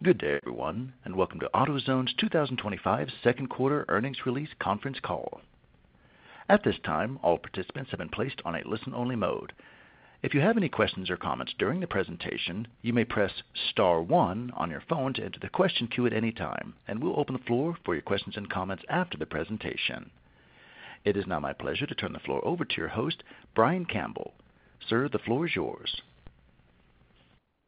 Good day, everyone, and welcome to AutoZone's 2025 second quarter earnings release conference call. At this time, all participants have been placed on a listen-only mode. If you have any questions or comments during the presentation, you may press star 1 on your phone to enter the question queue at any time, and we'll open the floor for your questions and comments after the presentation. It is now my pleasure to turn the floor over to your host, Brian Campbell. Sir, the floor is yours.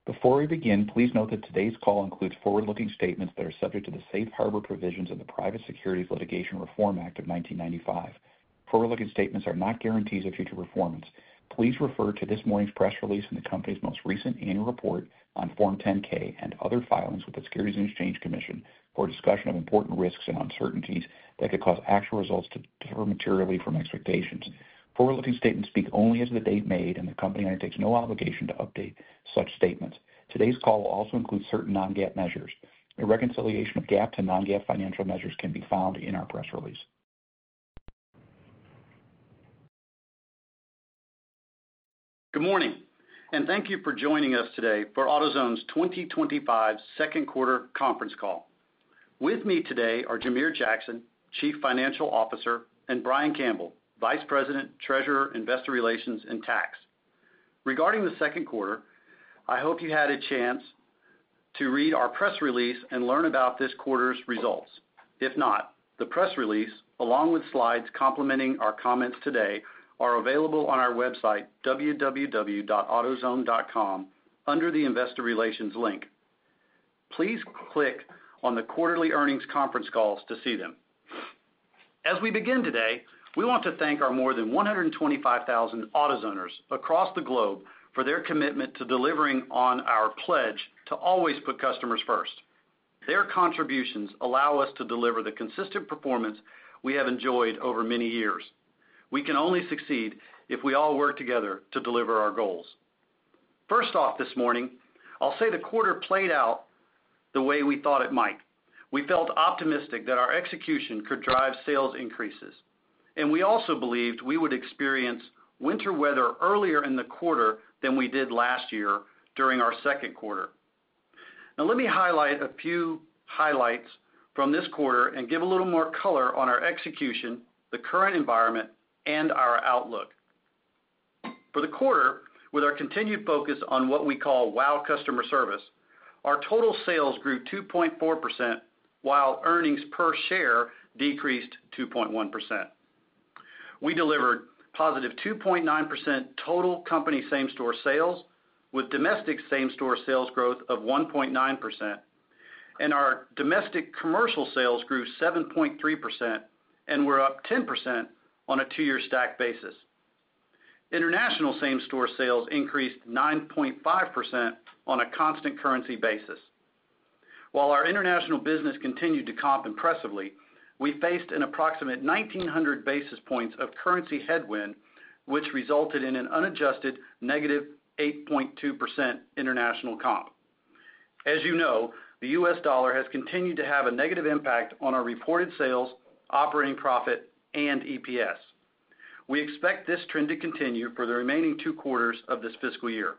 Before we begin, please note that today's call includes forward-looking statements that are subject to the Safe Harbor Provisions and the Private Securities Litigation Reform Act of 1995. Forward-looking statements are not guarantees of future performance. Please refer to this morning's press release and the company's most recent annual report on Form 10-K and other filings with the Securities and Exchange Commission for discussion of important risks and uncertainties that could cause actual results to differ materially from expectations. Forward-looking statements speak only as of the date made, and the company undertakes no obligation to update such statements. Today's call will also include certain non-GAAP measures. A reconciliation of GAAP to non-GAAP financial measures can be found in our press release. Good morning, and thank you for joining us today for AutoZone's 2025 second quarter conference call. With me today are Jamere Jackson, Chief Financial Officer, and Brian Campbell, Vice President, Treasurer, Investor Relations, and Tax. Regarding the second quarter, I hope you had a chance to read our press release and learn about this quarter's results. If not, the press release, along with slides complementing our comments today, are available on our website, www.AutoZone.com, under the Investor Relations link. Please click on the quarterly earnings conference calls to see them. As we begin today, we want to thank our more than 125,000 AutoZoners across the globe for their commitment to delivering on our pledge to always put customers first. Their contributions allow us to deliver the consistent performance we have enjoyed over many years. We can only succeed if we all work together to deliver our goals. First off this morning, I'll say the quarter played out the way we thought it might. We felt optimistic that our execution could drive sales increases, and we also believed we would experience winter weather earlier in the quarter than we did last year during our second quarter. Now, let me highlight a few highlights from this quarter and give a little more color on our execution, the current environment, and our outlook. For the quarter, with our continued focus on what we call WOW! Customer Service, our total sales grew 2.4% while earnings per share decreased 2.1%. We delivered positive 2.9% total company same-store sales, with domestic same-store sales growth of 1.9%, and our domestic commercial sales grew 7.3%, and we're up 10% on a two-year stack basis. International same-store sales increased 9.5% on a constant currency basis. While our international business continued to comp impressively, we faced an approximate 1,900 basis points of currency headwind, which resulted in an unadjusted negative 8.2% international comp. As you know, the U.S. dollar has continued to have a negative impact on our reported sales, operating profit, and EPS. We expect this trend to continue for the remaining two quarters of this fiscal year.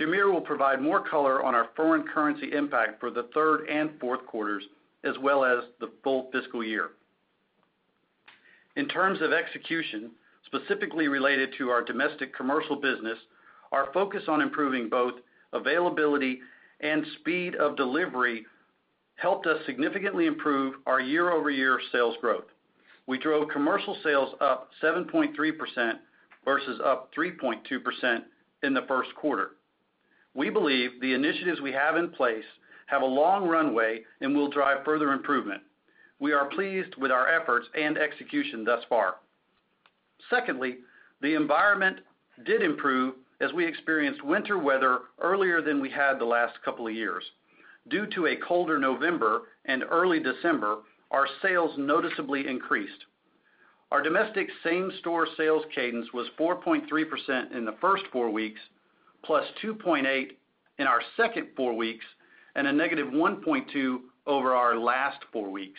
Jamere will provide more color on our foreign currency impact for the third and fourth quarters, as well as the full fiscal year. In terms of execution, specifically related to our domestic commercial business, our focus on improving both availability and speed of delivery helped us significantly improve our year-over-year sales growth. We drove commercial sales up 7.3% versus up 3.2% in the first quarter. We believe the initiatives we have in place have a long runway and will drive further improvement. We are pleased with our efforts and execution thus far. Secondly, the environment did improve as we experienced winter weather earlier than we had the last couple of years. Due to a colder November and early December, our sales noticeably increased. Our domestic same-store sales cadence was 4.3% in the first four weeks, plus 2.8% in our second four weeks, and a negative 1.2% over our last four weeks.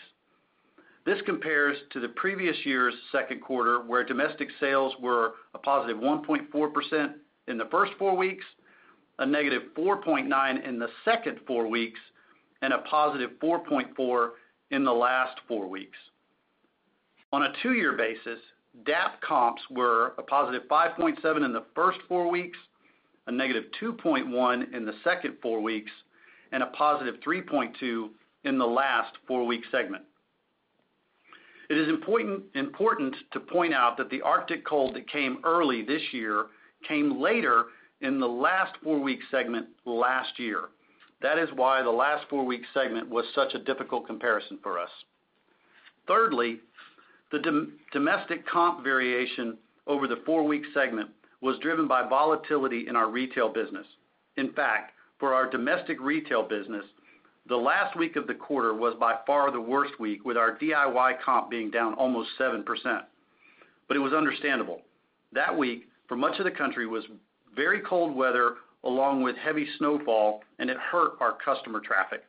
This compares to the previous year's second quarter, where domestic sales were a positive 1.4% in the first four weeks, a negative 4.9% in the second four weeks, and a positive 4.4% in the last four weeks. On a two-year basis, GAAP comps were a positive 5.7% in the first four weeks, a negative 2.1% in the second four weeks, and a positive 3.2% in the last four-week segment. It is important to point out that the Arctic cold that came early this year came later in the last four-week segment last year. That is why the last four-week segment was such a difficult comparison for us. Thirdly, the domestic comp variation over the four-week segment was driven by volatility in our retail business. In fact, for our domestic retail business, the last week of the quarter was by far the worst week, with our DIY comp being down almost 7%. But it was understandable. That week, for much of the country, was very cold weather along with heavy snowfall, and it hurt our customer traffic.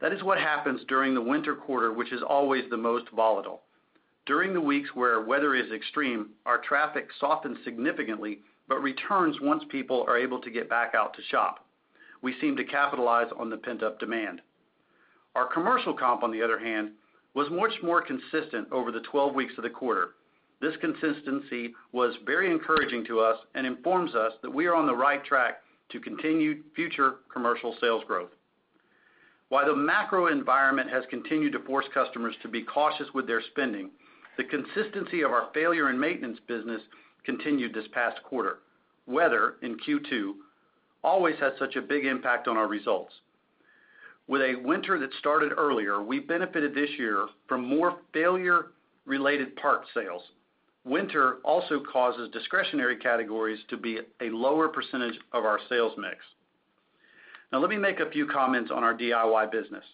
That is what happens during the winter quarter, which is always the most volatile. During the weeks where weather is extreme, our traffic softens significantly but returns once people are able to get back out to shop. We seem to capitalize on the pent-up demand. Our commercial comp, on the other hand, was much more consistent over the 12 weeks of the quarter. This consistency was very encouraging to us and informs us that we are on the right track to continue future commercial sales growth. While the macro environment has continued to force customers to be cautious with their spending, the consistency of our failure and maintenance business continued this past quarter. Weather, in Q2, always had such a big impact on our results. With a winter that started earlier, we benefited this year from more failure-related part sales. Winter also causes discretionary categories to be a lower percentage of our sales mix. Now, let me make a few comments on our DIY business.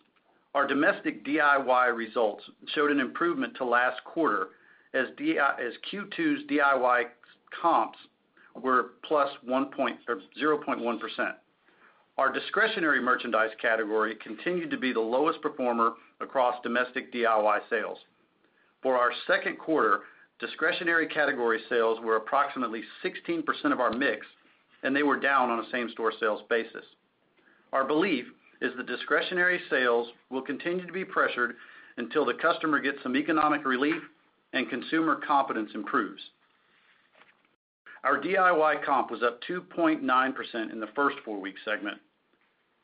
Our domestic DIY results showed an improvement to last quarter as Q2's DIY comps were plus 0.1%. Our discretionary merchandise category continued to be the lowest performer across domestic DIY sales. For our second quarter, discretionary category sales were approximately 16% of our mix, and they were down on a same-store sales basis. Our belief is that discretionary sales will continue to be pressured until the customer gets some economic relief and consumer confidence improves. Our DIY comp was up 2.9% in the first four-week segment,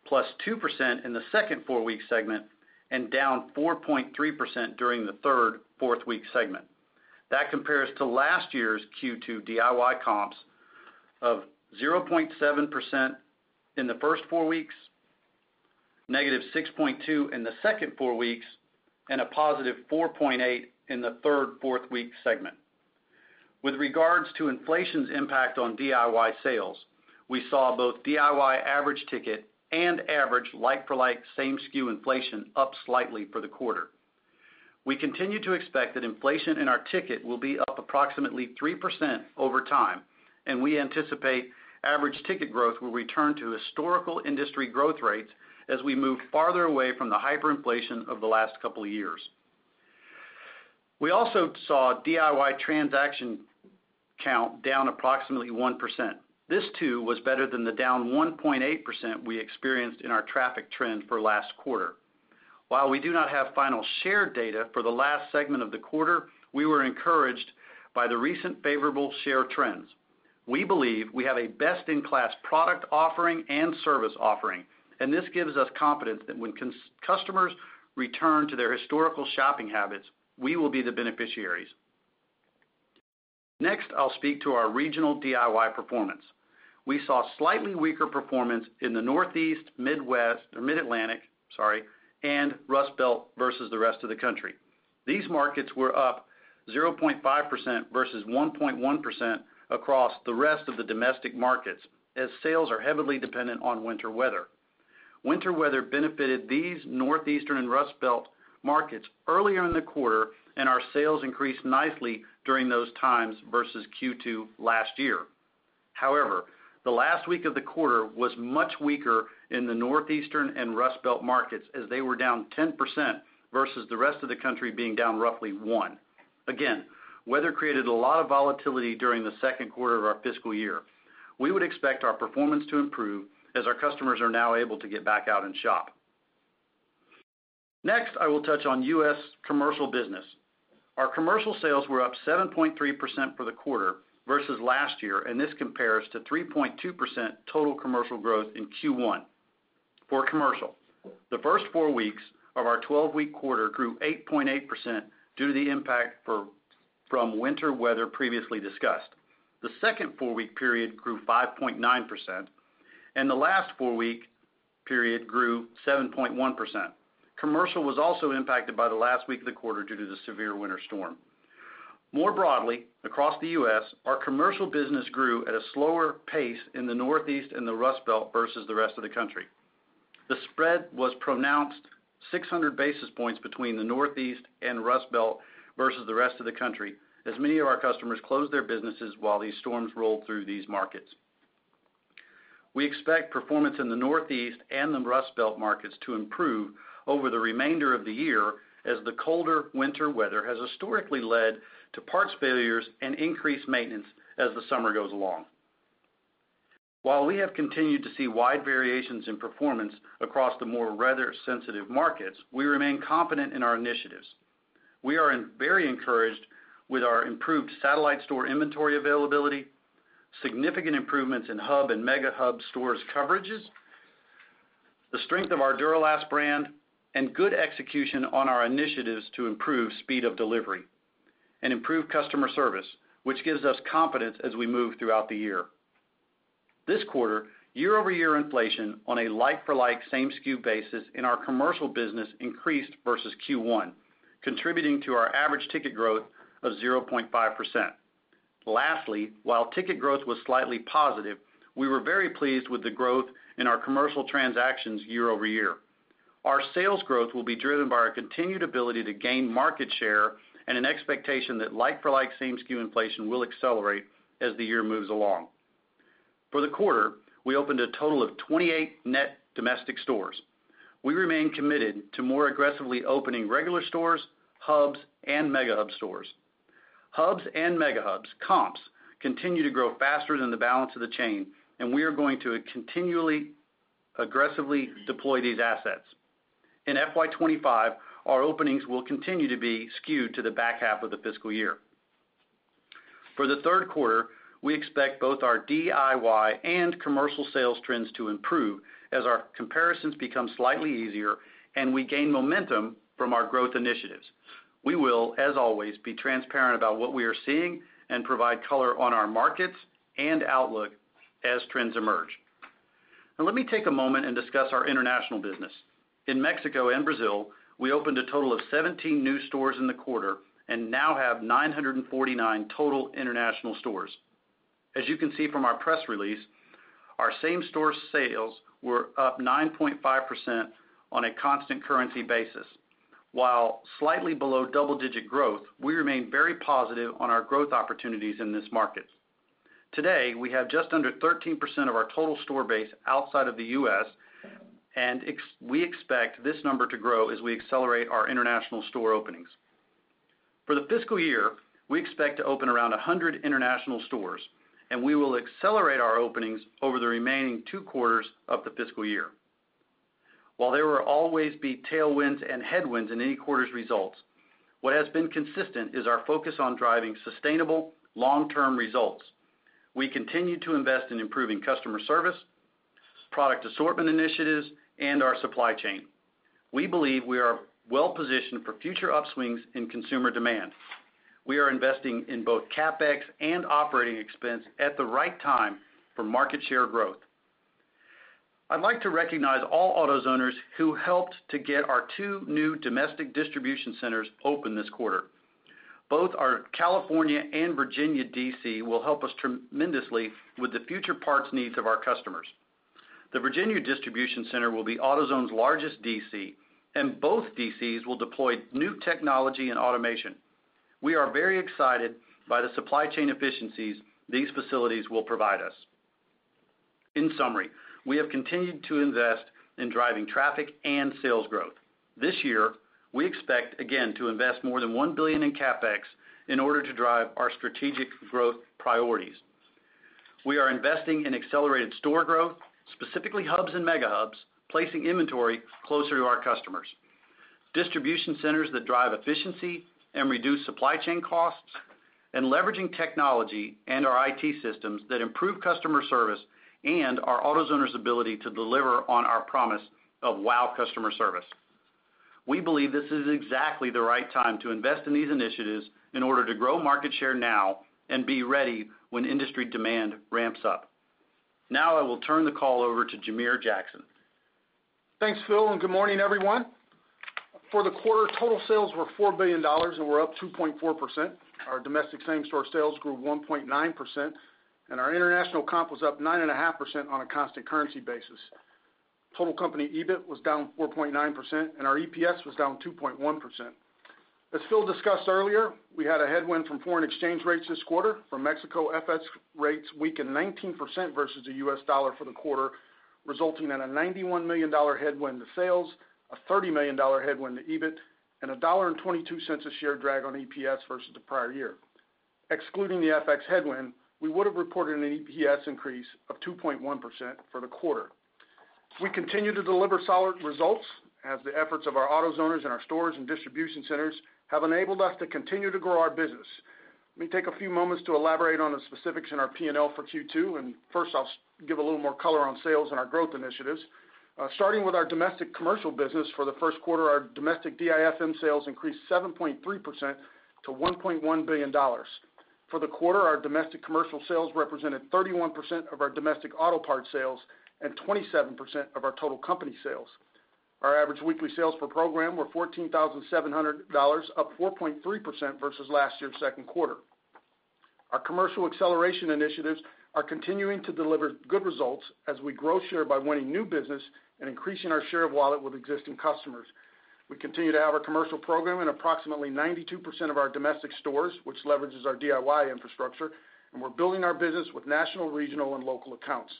plus 2% in the second four-week segment, and down 4.3% during the third four-week segment. That compares to last year's Q2 DIY comps of 0.7% in the first four weeks, negative 6.2% in the second four weeks, and a positive 4.8% in the third four-week segment. With regards to inflation's impact on DIY sales, we saw both DIY average ticket and average like-for-like same-SKU inflation up slightly for the quarter. We continue to expect that inflation in our ticket will be up approximately 3% over time, and we anticipate average ticket growth will return to historical industry growth rates as we move farther away from the hyperinflation of the last couple of years. We also saw DIY transaction count down approximately 1%. This, too, was better than the down 1.8% we experienced in our traffic trend for last quarter. While we do not have final share data for the last segment of the quarter, we were encouraged by the recent favorable share trends. We believe we have a best-in-class product offering and service offering, and this gives us confidence that when customers return to their historical shopping habits, we will be the beneficiaries. Next, I'll speak to our regional DIY performance. We saw slightly weaker performance in the Northeast, Midwest, or Mid-Atlantic, sorry, and Rust Belt versus the rest of the country. These markets were up 0.5% versus 1.1% across the rest of the domestic markets as sales are heavily dependent on winter weather. Winter weather benefited these Northeastern and Rust Belt markets earlier in the quarter, and our sales increased nicely during those times versus Q2 last year. However, the last week of the quarter was much weaker in the Northeastern and Rust Belt markets as they were down 10% versus the rest of the country being down roughly 1%. Again, weather created a lot of volatility during the second quarter of our fiscal year. We would expect our performance to improve as our customers are now able to get back out and shop. Next, I will touch on U.S. commercial business. Our commercial sales were up 7.3% for the quarter versus last year, and this compares to 3.2% total commercial growth in Q1 for commercial. The first four weeks of our 12-week quarter grew 8.8% due to the impact from winter weather previously discussed. The second four-week period grew 5.9%, and the last four-week period grew 7.1%. Commercial was also impacted by the last week of the quarter due to the severe winter storm. More broadly, across the U.S., our commercial business grew at a slower pace in the Northeast and the Rust Belt versus the rest of the country. The spread was pronounced 600 basis points between the Northeast and Rust Belt versus the rest of the country as many of our customers closed their businesses while these storms rolled through these markets. We expect performance in the Northeast and the Rust Belt markets to improve over the remainder of the year as the colder winter weather has historically led to parts failures and increased maintenance as the summer goes along. While we have continued to see wide variations in performance across the more weather-sensitive markets, we remain confident in our initiatives. We are very encouraged with our improved satellite store inventory availability, significant improvements in Hub and Mega Hub stores coverages, the strength of our Duralast brand, and good execution on our initiatives to improve speed of delivery and improve customer service, which gives us confidence as we move throughout the year. This quarter, year-over-year inflation on a like-for-like same-SKU basis in our commercial business increased versus Q1, contributing to our average ticket growth of 0.5%. Lastly, while ticket growth was slightly positive, we were very pleased with the growth in our commercial transactions year-over-year. Our sales growth will be driven by our continued ability to gain market share and an expectation that like-for-like same-SKU inflation will accelerate as the year moves along. For the quarter, we opened a total of 28 net domestic stores. We remain committed to more aggressively opening regular stores, Hubs, and Mega Hub stores. Hubs and Mega Hubs comps continue to grow faster than the balance of the chain, and we are going to continually aggressively deploy these assets. In FY25, our openings will continue to be skewed to the back half of the fiscal year. For the third quarter, we expect both our DIY and commercial sales trends to improve as our comparisons become slightly easier and we gain momentum from our growth initiatives. We will, as always, be transparent about what we are seeing and provide color on our markets and outlook as trends emerge. Now, let me take a moment and discuss our international business. In Mexico and Brazil, we opened a total of 17 new stores in the quarter and now have 949 total international stores. As you can see from our press release, our same-store sales were up 9.5% on a constant currency basis. While slightly below double-digit growth, we remain very positive on our growth opportunities in this market. Today, we have just under 13% of our total store base outside of the U.S., and we expect this number to grow as we accelerate our international store openings. For the fiscal year, we expect to open around 100 international stores, and we will accelerate our openings over the remaining two quarters of the fiscal year. While there will always be tailwinds and headwinds in any quarter's results, what has been consistent is our focus on driving sustainable long-term results. We continue to invest in improving customer service, product assortment initiatives, and our supply chain. We believe we are well-positioned for future upswings in consumer demand. We are investing in both CapEx and operating expense at the right time for market share growth. I'd like to recognize all AutoZoners who helped to get our two new domestic distribution centers open this quarter. Both our California and Virginia DC will help us tremendously with the future parts needs of our customers. The Virginia distribution center will be AutoZone's largest DC, and both DCs will deploy new technology and automation. We are very excited by the supply chain efficiencies these facilities will provide us. In summary, we have continued to invest in driving traffic and sales growth. This year, we expect, again, to invest more than $1 billion in CapEx in order to drive our strategic growth priorities. We are investing in accelerated store growth, specifically Hubs and Mega Hubs, placing inventory closer to our customers, distribution centers that drive efficiency and reduce supply chain costs, and leveraging technology and our IT systems that improve customer service and our AutoZoners' ability to deliver on our promise of WOW! Customer Service. We believe this is exactly the right time to invest in these initiatives in order to grow market share now and be ready when industry demand ramps up. Now, I will turn the call over to Jamere Jackson. Thanks, Phil, and good morning, everyone. For the quarter, total sales were $4 billion, and we're up 2.4%. Our domestic same-store sales grew 1.9%, and our international comp was up 9.5% on a constant currency basis. Total company EBIT was down 4.9%, and our EPS was down 2.1%. As Phil discussed earlier, we had a headwind from foreign exchange rates this quarter. For Mexico, FX rates weakened 19% versus the U.S. dollar for the quarter, resulting in a $91 million headwind to sales, a $30 million headwind to EBIT, and a $1.22 a share drag on EPS versus the prior year. Excluding the FX headwind, we would have reported an EPS increase of 2.1% for the quarter. We continue to deliver solid results as the efforts of our AutoZoners and our stores and distribution centers have enabled us to continue to grow our business. Let me take a few moments to elaborate on the specifics in our P&L for Q2, and first, I'll give a little more color on sales and our growth initiatives. Starting with our domestic commercial business, for the first quarter, our domestic DIFM sales increased 7.3% to $1.1 billion. For the quarter, our domestic commercial sales represented 31% of our domestic auto parts sales and 27% of our total company sales. Our average weekly sales per program were $14,700, up 4.3% versus last year's second quarter. Our commercial acceleration initiatives are continuing to deliver good results as we grow share by winning new business and increasing our share of wallet with existing customers. We continue to have our commercial program in approximately 92% of our domestic stores, which leverages our DIY infrastructure, and we're building our business with national, regional, and local accounts.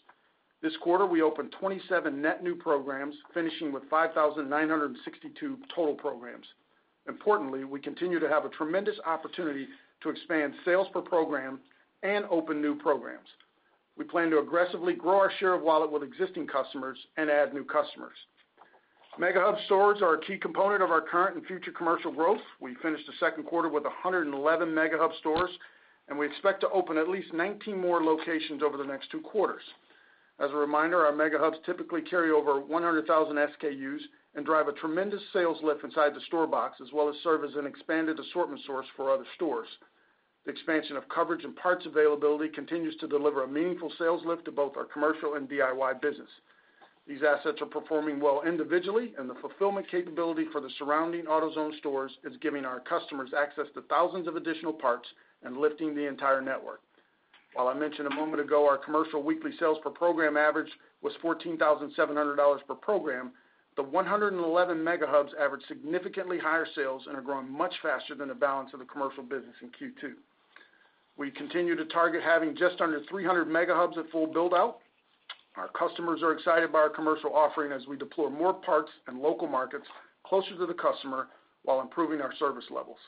This quarter, we opened 27 net new programs, finishing with 5,962 total programs. Importantly, we continue to have a tremendous opportunity to expand sales per program and open new programs. We plan to aggressively grow our share of wallet with existing customers and add new customers. Mega Hubs are a key component of our current and future commercial growth. We finished the second quarter with 111 Mega Hubs, and we expect to open at least 19 more locations over the next two quarters. As a reminder, Mega Hubs typically carry over 100,000 SKUs and drive a tremendous sales lift inside the store box, as well as serve as an expanded assortment source for other stores. The expansion of coverage and parts availability continues to deliver a meaningful sales lift to both our commercial and DIY business. These assets are performing well individually, and the fulfillment capability for the surrounding AutoZone stores is giving our customers access to thousands of additional parts and lifting the entire network. While I mentioned a moment ago, our commercial weekly sales per program average was $14,700 per program, the Mega Hubs averaged significantly higher sales and are growing much faster than the balance of the commercial business in Q2. We continue to target having just under Mega Hubs at full build-out. Our customers are excited by our commercial offering as we deploy more parts and local markets closer to the customer while improving our service levels.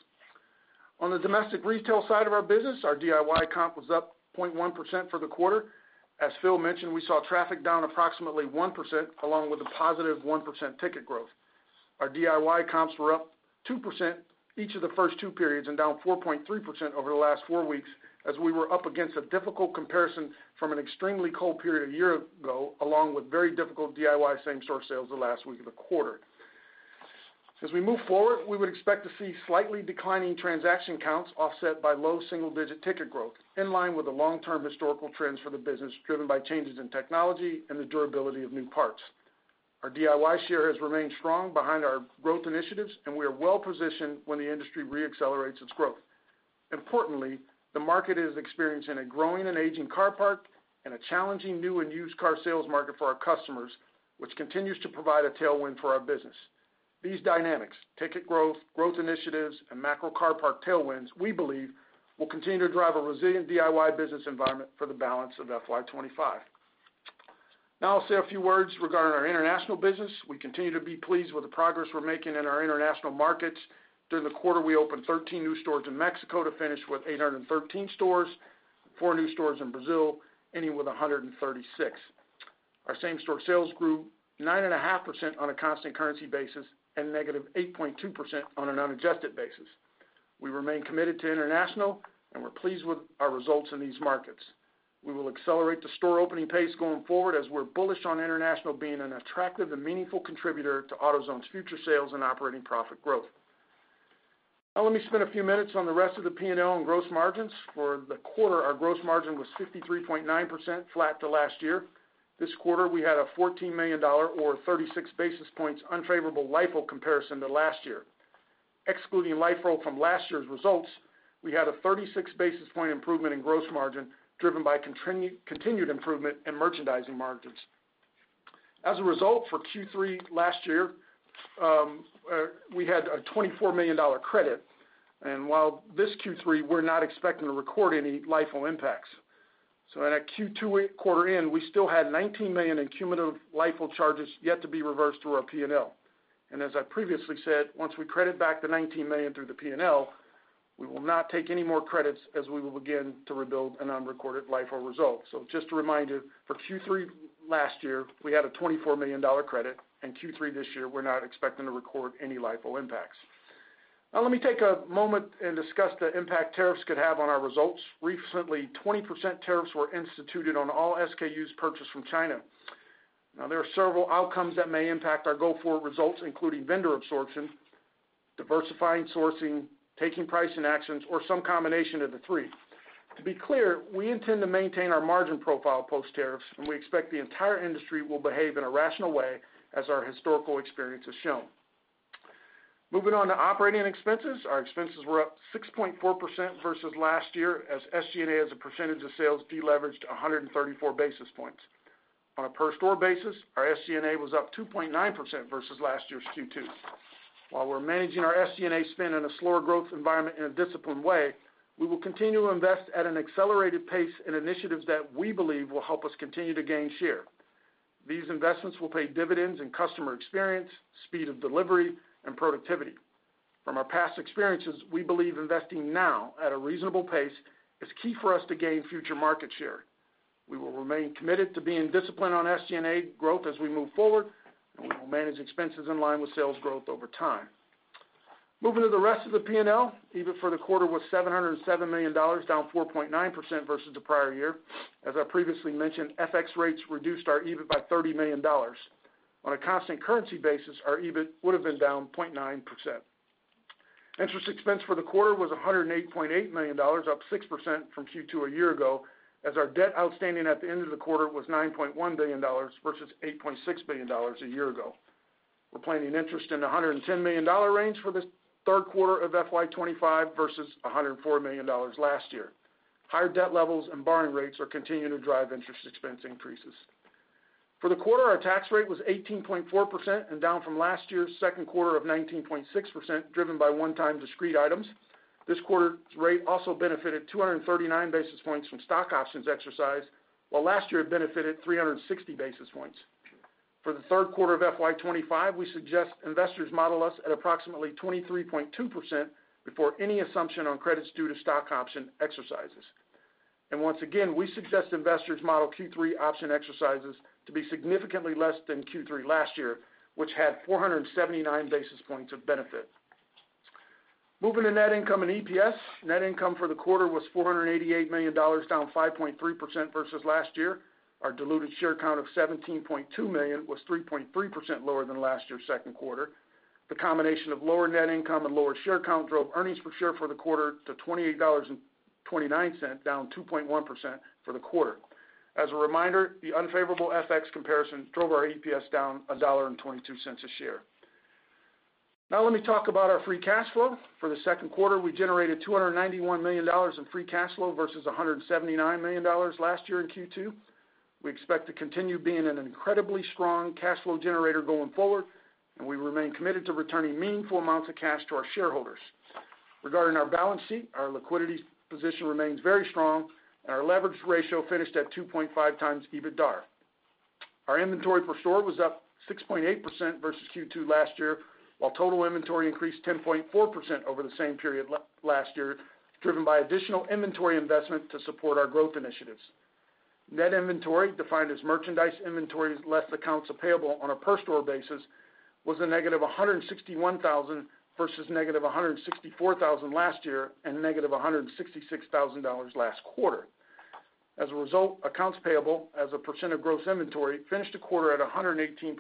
On the domestic retail side of our business, our DIY comp was up 0.1% for the quarter. As Phil mentioned, we saw traffic down approximately 1% along with a positive 1% ticket growth. Our DIY comps were up 2% each of the first two periods and down 4.3% over the last four weeks as we were up against a difficult comparison from an extremely cold period a year ago, along with very difficult DIY same-store sales the last week of the quarter. As we move forward, we would expect to see slightly declining transaction counts offset by low single-digit ticket growth, in line with the long-term historical trends for the business driven by changes in technology and the durability of new parts. Our DIY share has remained strong behind our growth initiatives, and we are well-positioned when the industry re-accelerates its growth. Importantly, the market is experiencing a growing and aging car park and a challenging new and used car sales market for our customers, which continues to provide a tailwind for our business. These dynamics, ticket growth, growth initiatives, and macro car park tailwinds, we believe, will continue to drive a resilient DIY business environment for the balance of FY25. Now, I'll say a few words regarding our international business. We continue to be pleased with the progress we're making in our international markets. During the quarter, we opened 13 new stores in Mexico to finish with 813 stores, four new stores in Brazil, ending with 136. Our same-store sales grew 9.5% on a constant currency basis and negative 8.2% on an unadjusted basis. We remain committed to international, and we're pleased with our results in these markets. We will accelerate the store opening pace going forward as we're bullish on international being an attractive and meaningful contributor to AutoZone's future sales and operating profit growth. Now, let me spend a few minutes on the rest of the P&L and gross margins. For the quarter, our gross margin was 53.9%, flat to last year. This quarter, we had a $14 million, or 36 basis points, unfavorable LIFO comparison to last year. Excluding LIFO from last year's results, we had a 36 basis point improvement in gross margin driven by continued improvement in merchandising margins. As a result, for Q3 last year, we had a $24 million credit. And while this Q3, we're not expecting to record any LIFO impacts. So in a Q2 quarter end, we still had $19 million in cumulative LIFO charges yet to be reversed through our P&L. And as I previously said, once we credit back the $19 million through the P&L, we will not take any more credits as we will begin to rebuild an unrecorded LIFO result. So just to remind you, for Q3 last year, we had a $24 million credit, and Q3 this year, we're not expecting to record any LIFO impacts. Now, let me take a moment and discuss the impact tariffs could have on our results. Recently, 20% tariffs were instituted on all SKUs purchased from China. Now, there are several outcomes that may impact our go-forward results, including vendor absorption, diversifying sourcing, taking pricing actions, or some combination of the three. To be clear, we intend to maintain our margin profile post-tariffs, and we expect the entire industry will behave in a rational way as our historical experience has shown. Moving on to operating expenses, our expenses were up 6.4% versus last year as SG&A as a percentage of sales deleveraged 134 basis points. On a per-store basis, our SG&A was up 2.9% versus last year's Q2. While we're managing our SG&A spend in a slower growth environment in a disciplined way, we will continue to invest at an accelerated pace in initiatives that we believe will help us continue to gain share. These investments will pay dividends in customer experience, speed of delivery, and productivity. From our past experiences, we believe investing now at a reasonable pace is key for us to gain future market share. We will remain committed to being disciplined on SG&A growth as we move forward, and we will manage expenses in line with sales growth over time. Moving to the rest of the P&L, EBIT for the quarter was $707 million, down 4.9% versus the prior year. As I previously mentioned, FX rates reduced our EBIT by $30 million. On a constant currency basis, our EBIT would have been down 0.9%. Interest expense for the quarter was $108.8 million, up 6% from Q2 a year ago, as our debt outstanding at the end of the quarter was $9.1 billion versus $8.6 billion a year ago. We're planning interest in the $110 million range for the third quarter of FY25 versus $104 million last year. Higher debt levels and borrowing rates are continuing to drive interest expense increases. For the quarter, our tax rate was 18.4% and down from last year's second quarter of 19.6%, driven by one-time discrete items. This quarter's rate also benefited 239 basis points from stock options exercise, while last year had benefited 360 basis points. For the third quarter of FY25, we suggest investors model us at approximately 23.2% before any assumption on credits due to stock option exercises. And once again, we suggest investors model Q3 option exercises to be significantly less than Q3 last year, which had 479 basis points of benefit. Moving to net income and EPS, net income for the quarter was $488 million, down 5.3% versus last year. Our diluted share count of 17.2 million was 3.3% lower than last year's second quarter. The combination of lower net income and lower share count drove earnings per share for the quarter to $28.29, down 2.1% for the quarter. As a reminder, the unfavorable FX comparison drove our EPS down $1.22 a share. Now, let me talk about our free cash flow. For the second quarter, we generated $291 million in free cash flow versus $179 million last year in Q2. We expect to continue being an incredibly strong cash flow generator going forward, and we remain committed to returning meaningful amounts of cash to our shareholders. Regarding our balance sheet, our liquidity position remains very strong, and our leverage ratio finished at 2.5 times EBITDA. Our inventory per store was up 6.8% versus Q2 last year, while total inventory increased 10.4% over the same period last year, driven by additional inventory investment to support our growth initiatives. Net inventory, defined as merchandise inventories less accounts payable on a per-store basis, was a negative $161,000 versus negative $164,000 last year and negative $166,000 last quarter. As a result, accounts payable as a percent of gross inventory finished the quarter at 118.2%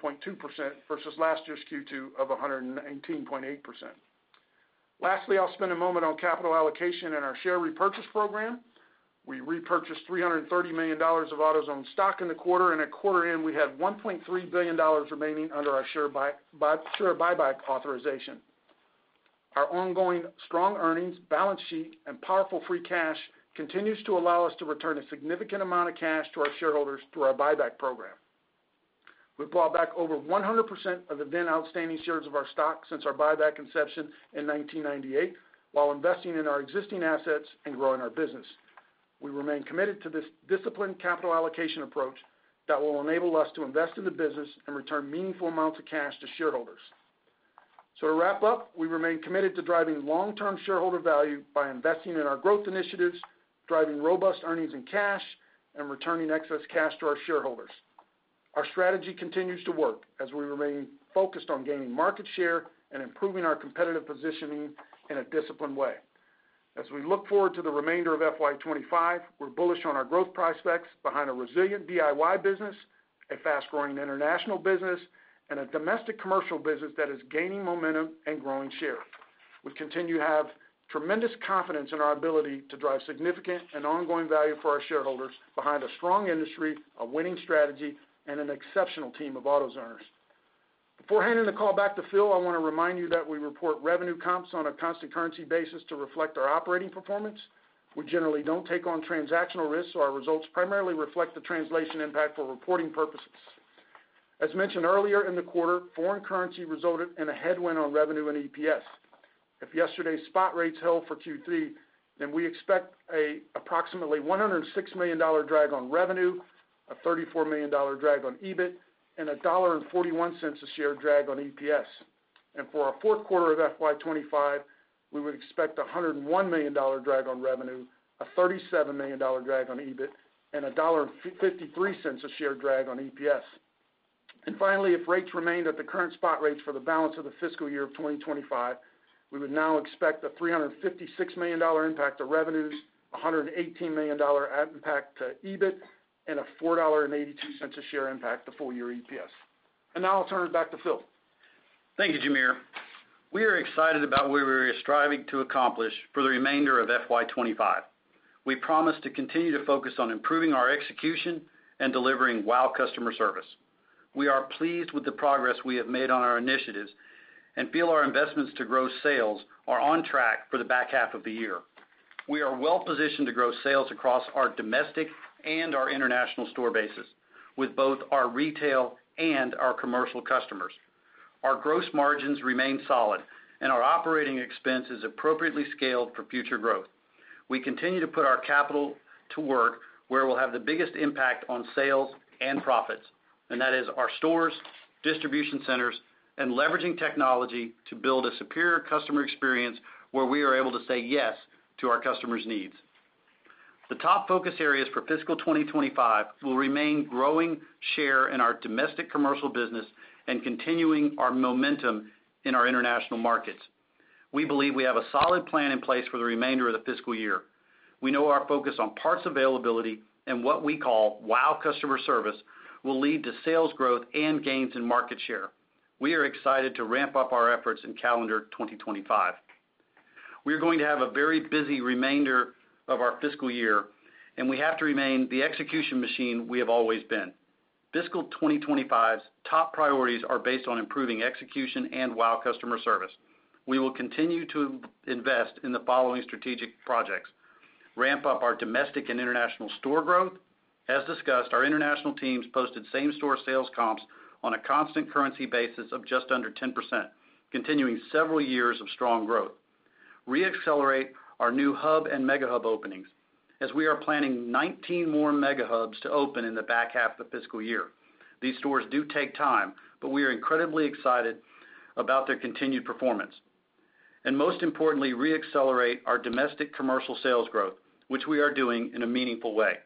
versus last year's Q2 of 119.8%. Lastly, I'll spend a moment on capital allocation and our share repurchase program. We repurchased $330 million of AutoZone stock in the quarter, and at quarter end, we had $1.3 billion remaining under our share buyback authorization. Our ongoing strong earnings, balance sheet, and powerful free cash flow continue to allow us to return a significant amount of cash to our shareholders through our buyback program. We've bought back over 100% of the then outstanding shares of our stock since our buyback inception in 1998, while investing in our existing assets and growing our business. We remain committed to this disciplined capital allocation approach that will enable us to invest in the business and return meaningful amounts of cash to shareholders. To wrap up, we remain committed to driving long-term shareholder value by investing in our growth initiatives, driving robust earnings and cash, and returning excess cash to our shareholders. Our strategy continues to work as we remain focused on gaining market share and improving our competitive positioning in a disciplined way. As we look forward to the remainder of FY25, we're bullish on our growth prospects behind a resilient DIY business, a fast-growing international business, and a domestic commercial business that is gaining momentum and growing share. We continue to have tremendous confidence in our ability to drive significant and ongoing value for our shareholders behind a strong industry, a winning strategy, and an exceptional team of AutoZoners. Before handing the call back to Phil, I want to remind you that we report revenue comps on a constant currency basis to reflect our operating performance. We generally don't take on transactional risks, so our results primarily reflect the translation impact for reporting purposes. As mentioned earlier in the quarter, foreign currency resulted in a headwind on revenue and EPS. If yesterday's spot rates held for Q3, then we expect an approximately $106 million drag on revenue, a $34 million drag on EBIT, and a $1.41 a share drag on EPS. And for our fourth quarter of FY25, we would expect a $101 million drag on revenue, a $37 million drag on EBIT, and a $1.53 a share drag on EPS. And finally, if rates remained at the current spot rates for the balance of the fiscal year of 2025, we would now expect a $356 million impact to revenues, a $118 million impact to EBIT, and a $4.82 a share impact to full-year EPS. And now I'll turn it back to Phil. Thank you, Jamere. We are excited about where we are striving to accomplish for the remainder of FY25. We promise to continue to focus on improving our execution and delivering WOW! Customer Service. We are pleased with the progress we have made on our initiatives and feel our investments to grow sales are on track for the back half of the year. We are well-positioned to grow sales across our domestic and our international store bases with both our retail and our commercial customers. Our gross margins remain solid, and our operating expense is appropriately scaled for future growth. We continue to put our capital to work where we'll have the biggest impact on sales and profits, and that is our stores, distribution centers, and leveraging technology to build a superior customer experience where we are able to say yes to our customers' needs. The top focus areas for fiscal 2025 will remain growing share in our domestic commercial business and continuing our momentum in our international markets. We believe we have a solid plan in place for the remainder of the fiscal year. We know our focus on parts availability and what we call WOW! Customer Service will lead to sales growth and gains in market share. We are excited to ramp up our efforts in calendar 2025. We are going to have a very busy remainder of our fiscal year, and we have to remain the execution machine we have always been. Fiscal 2025's top priorities are based on improving execution and WOW! Customer Service. We will continue to invest in the following strategic projects: ramp up our domestic and international store growth. As discussed, our international teams posted same-store sales comps on a constant currency basis of just under 10%, continuing several years of strong growth. Re-accelerate our new Hub and Mega Hub openings, as we are planning 19 Mega Hubs to open in the back half of the fiscal year. These stores do take time, but we are incredibly excited about their continued performance. And most importantly, re-accelerate our domestic commercial sales growth, which we are doing in a meaningful way.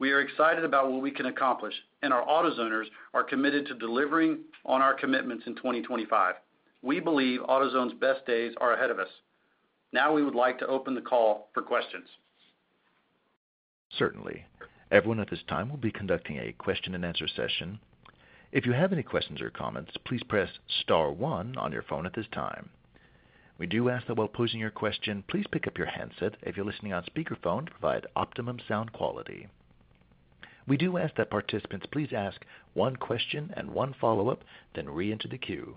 We are excited about what we can accomplish, and our AutoZoners are committed to delivering on our commitments in 2025. We believe AutoZone's best days are ahead of us. Now we would like to open the call for questions. Certainly. Everyone at this time will be conducting a question-and-answer session. If you have any questions or comments, please press star one on your phone at this time. We do ask that while posing your question, please pick up your handset if you're listening on speakerphone to provide optimum sound quality. We do ask that participants please ask one question and one follow-up, then re-enter the queue.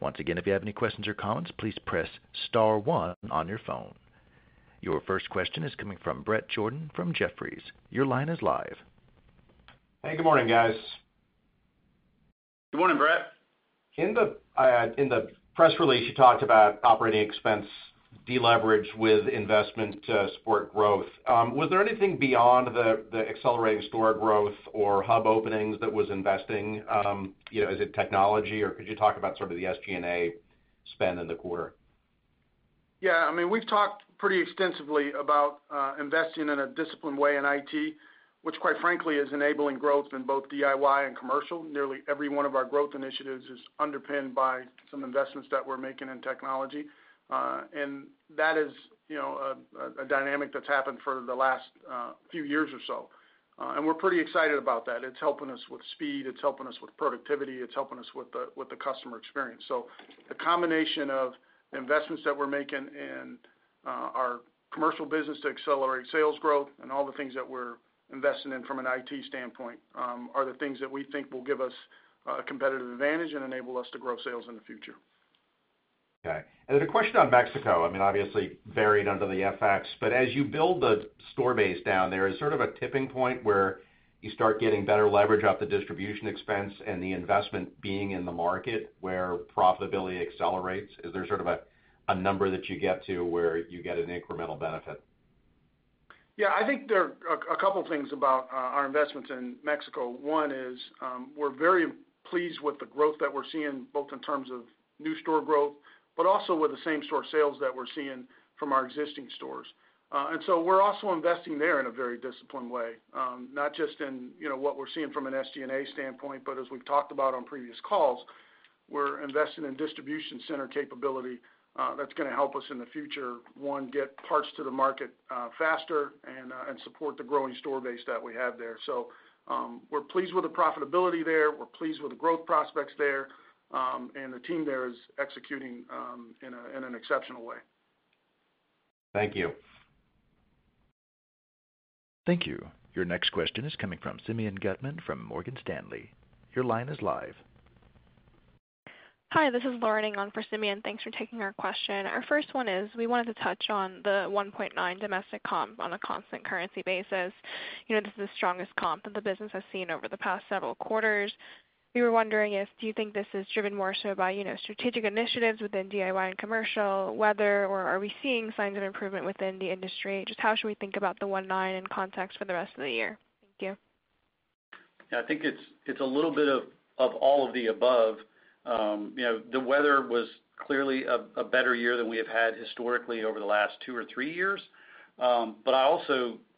Once again, if you have any questions or comments, please press star one on your phone. Your first question is coming from Bret Jordan from Jefferies. Your line is live. Hey, good morning, guys. Good morning, Brett. In the press release, you talked about operating expense deleverage with investment to support growth. Was there anything beyond the accelerating store growth or hub openings that was investing? Is it technology, or could you talk about sort of the SG&A spend in the quarter? Yeah, I mean, we've talked pretty extensively about investing in a disciplined way in IT, which, quite frankly, is enabling growth in both DIY and commercial. Nearly every one of our growth initiatives is underpinned by some investments that we're making in technology. That is a dynamic that's happened for the last few years or so. We're pretty excited about that. It's helping us with speed. It's helping us with productivity. It's helping us with the customer experience. The combination of investments that we're making in our commercial business to accelerate sales growth and all the things that we're investing in from an IT standpoint are the things that we think will give us a competitive advantage and enable us to grow sales in the future. Okay. Then a question on Mexico. I mean, obviously, varied under the FX, but as you build the store base down, there is sort of a tipping point where you start getting better leverage off the distribution expense and the investment being in the market where profitability accelerates. Is there sort of a number that you get to where you get an incremental benefit? Yeah, I think there are a couple of things about our investments in Mexico. One is we're very pleased with the growth that we're seeing, both in terms of new store growth, but also with the same-store sales that we're seeing from our existing stores. And so we're also investing there in a very disciplined way, not just in what we're seeing from an SG&A standpoint, but as we've talked about on previous calls, we're investing in distribution center capability that's going to help us in the future, one, get parts to the market faster and support the growing store base that we have there. So we're pleased with the profitability there. We're pleased with the growth prospects there. And the team there is executing in an exceptional way. Thank you. Thank you. Your next question is coming from Simeon Gutman from Morgan Stanley. Your line is live. Hi, this is Lauren Englund for Simeon. Thanks for taking our question. Our first one is, we wanted to touch on the 1.9% domestic comp on a constant currency basis. This is the strongest comp that the business has seen over the past several quarters. We were wondering if do you think this is driven more so by strategic initiatives within DIY and commercial, weather, or are we seeing signs of improvement within the industry? Just how should we think about the 1.9% in context for the rest of the year? Thank you. Yeah, I think it's a little bit of all of the above. The weather was clearly a better year than we have had historically over the last two or three years. But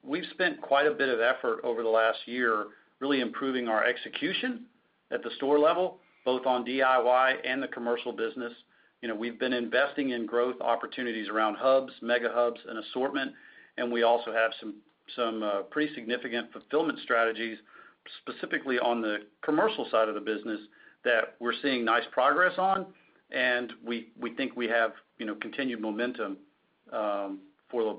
we've spent quite a bit of effort over the last year really improving our execution at the store level, both on DIY and the commercial business. We've been investing in growth opportunities around, Hubs, Mega Hubs, and assortment. And we also have some pretty significant fulfillment strategies, specifically on the commercial side of the business, that we're seeing nice progress on. And we think we have continued momentum for